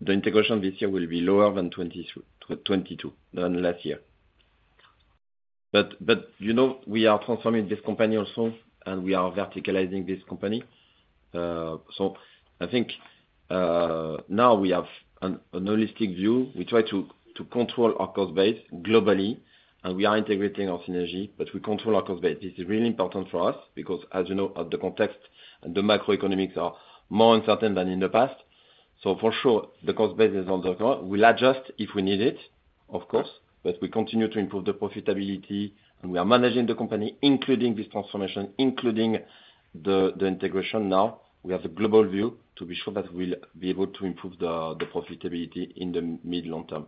The integration this year will be lower than 22, than last year. you know, we are transforming this company also, and we are verticalizing this company. I think now we have an holistic view. We try to control our cost base globally, and we are integrating our synergy, but we control our cost base. This is really important for us because as you know, of the context and the macroeconomics are more uncertain than in the past. For sure, the cost base is under control. We'll adjust if we need it, of course, but we continue to improve the profitability, and we are managing the company, including this transformation, including the integration now. We have the global view to be sure that we'll be able to improve the profitability in the mid long term.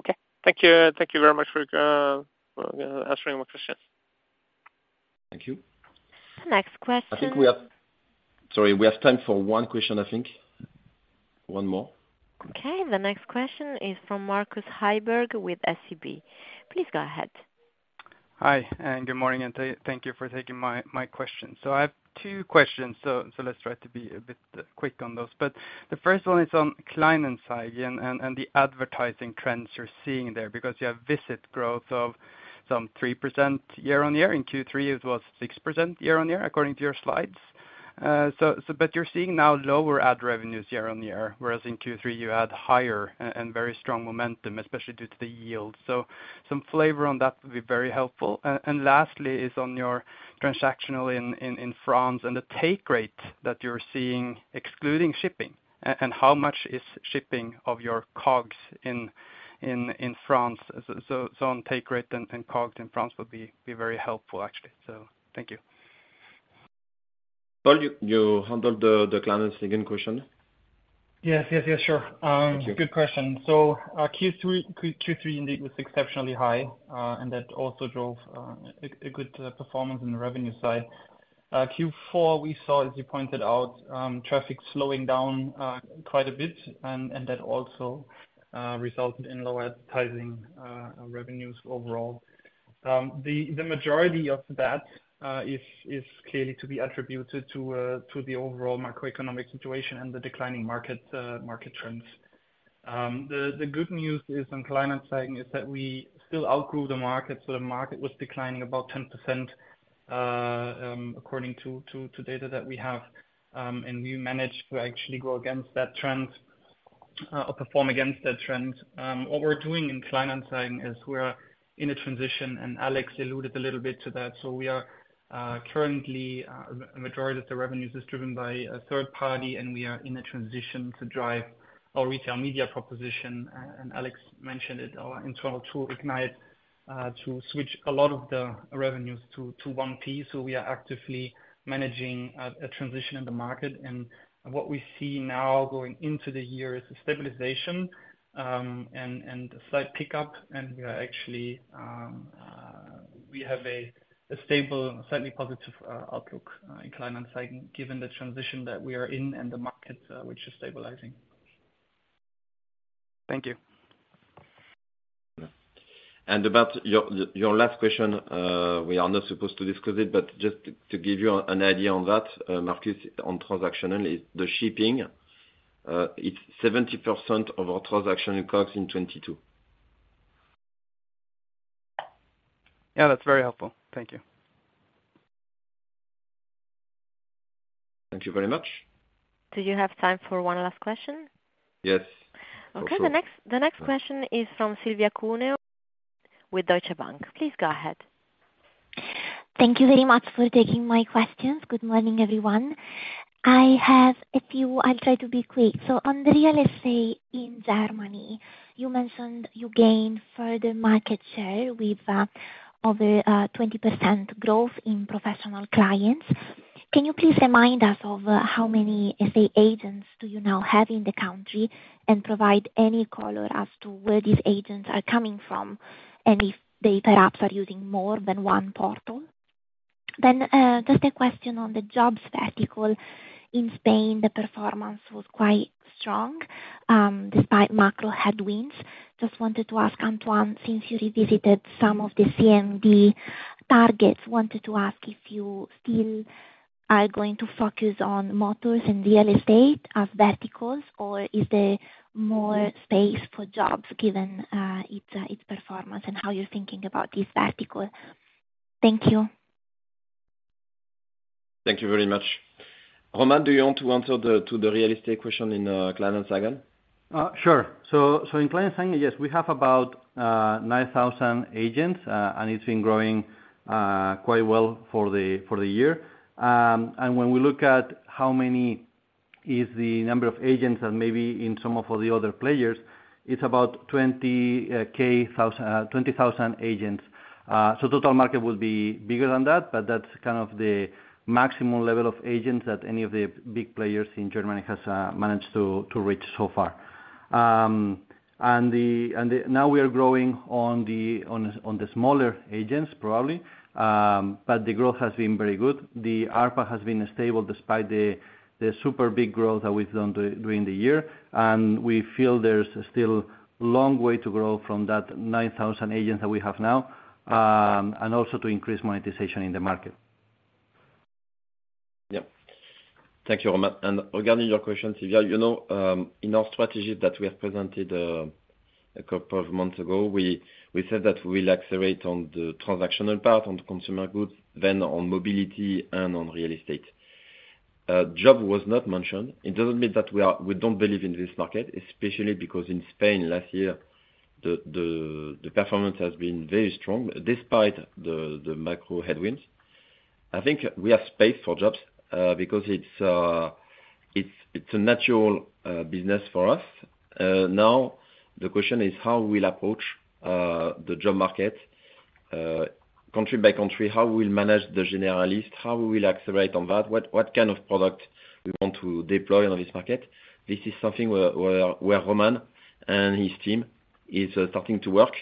Okay. Thank you. Thank you very much for answering my questions. Thank you. Next question? I think we have. Sorry. We have time for one question, I think. One more. Okay. The next question is from Markus Heiberg with SEB. Please go ahead. Hi, good morning, and thank you for taking my question. I have two questions, let's try to be a bit quick on those. The first one is on Kleinanzeigen and the advertising trends you're seeing there because you have visit growth of some 3% year-on-year. In Q3 it was 6% year-on-year according to your slides. but you're seeing now lower ad revenues year-on-year, whereas in Q3 you had higher and very strong momentum, especially due to the yield. Some flavor on that would be very helpful. Lastly is on your transactional in France and the take rate that you're seeing excluding shipping and how much is shipping of your COGS in France. On take rate and COGS in France would be very helpful actually. Thank you. Paul, you handle the Kleinanzeigen question? Yes. Yes. Yes. Sure. Okay. Good question. Q3 indeed was exceptionally high, and that also drove a good performance in the revenue side. Q4, we saw, as you pointed out, traffic slowing down quite a bit and that also resulted in lower advertising revenues overall. The majority of that is clearly to be attributed to the overall macroeconomic situation and the declining market trends. The good news is on Kleinanzeigen is that we still outgrew the market, so the market was declining about 10% according to data that we have. We managed to actually go against that trend or perform against that trend. What we're doing in Kleinanzeigen is we're in a transition, and Alex alluded a little bit to that. We are currently a majority of the revenues is driven by a third party, and we are in a transition to drive our retail media proposition, and Alex mentioned it, our internal tool, Ignite, to switch a lot of the revenues to one piece so we are actively managing a transition in the market. What we see now going into the year is a stabilization and a slight pickup, and we are actually we have a stable and slightly positive outlook in Kleinanzeigen given the transition that we are in and the market which is stabilizing. Thank you. About your last question, we are not supposed to discuss it, but just to give you an idea on that, Marcus, on transactionally, the shipping, it's 70% of our transaction COGS in 2022. Yeah, that's very helpful. Thank you. Thank you very much. Do you have time for one last question? Yes. Okay. The next question is from Silvia Cuneo with Deutsche Bank. Please go ahead. Thank you very much for taking my questions. Good morning, everyone. I have a few... I'll try to be quick. On the real estate in Germany, you mentioned you gained further market share with over 20% growth in professional clients. Can you please remind us of how many SA agents do you now have in the country, and provide any color as to where these agents are coming from and if they perhaps are using more than one portal? Just a question on the jobs vertical. In Spain, the performance was quite strong, despite macro headwinds. Just wanted to ask Antoine, since you revisited some of the CMD targets, wanted to ask if you still are going to focus on motors and real estate as verticals, or is there more space for jobs given its performance and how you're thinking about this vertical? Thank you. Thank you very much. Roman, do you want to answer to the real estate question in Kleinanzeigen? Sure. In Kleinanzeigen, yes, we have about 9,000 agents, and it's been growing quite well for the year. When we look at how many is the number of agents that may be in some of the other players, it's about 20,000 agents. Total market will be bigger than that, but that's kind of the maximum level of agents that any of the big players in Germany has managed to reach so far. Now we are growing on the smaller agents, probably. The growth has been very good. The ARPA has been stable despite the super big growth that we've done during the year. We feel there's still long way to grow from that 9,000 agents that we have now, and also to increase monetization in the market. Yeah. Thank you, Roman. Regarding your question, Silvia, you know, in our strategy that we have presented a couple of months ago, we said that we'll accelerate on the transactional part, on the consumer goods, then on mobility and on real estate. Job was not mentioned. It doesn't mean that we are, we don't believe in this market, especially because in Spain last year, the performance has been very strong despite the macro headwinds. I think we have space for jobs because it's a natural business for us. Now the question is how we'll approach the job market country by country. How we'll manage the generalist, how we'll accelerate on that, what kind of product we want to deploy on this market. This is something where Roman and his team is starting to work,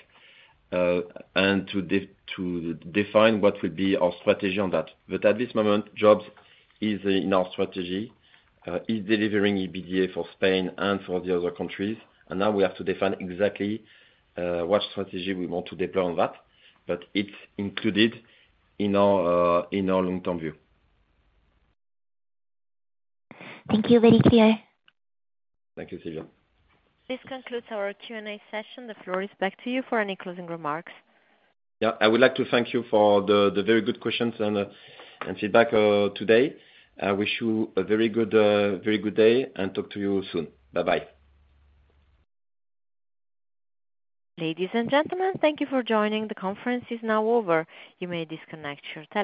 and to define what will be our strategy on that. At this moment, jobs is in our strategy. Is delivering EBITDA for Spain and for the other countries. Now we have to define exactly what strategy we want to deploy on that. It's included in our long-term view. Thank you. Very clear. Thank you, Silvia. This concludes our Q&A session. The floor is back to you for any closing remarks. Yeah, I would like to thank you for the very good questions and feedback today. I wish you a very good day and talk to you soon. Bye-bye. Ladies and gentlemen, thank you for joining. The conference is now over. You may disconnect your telephones.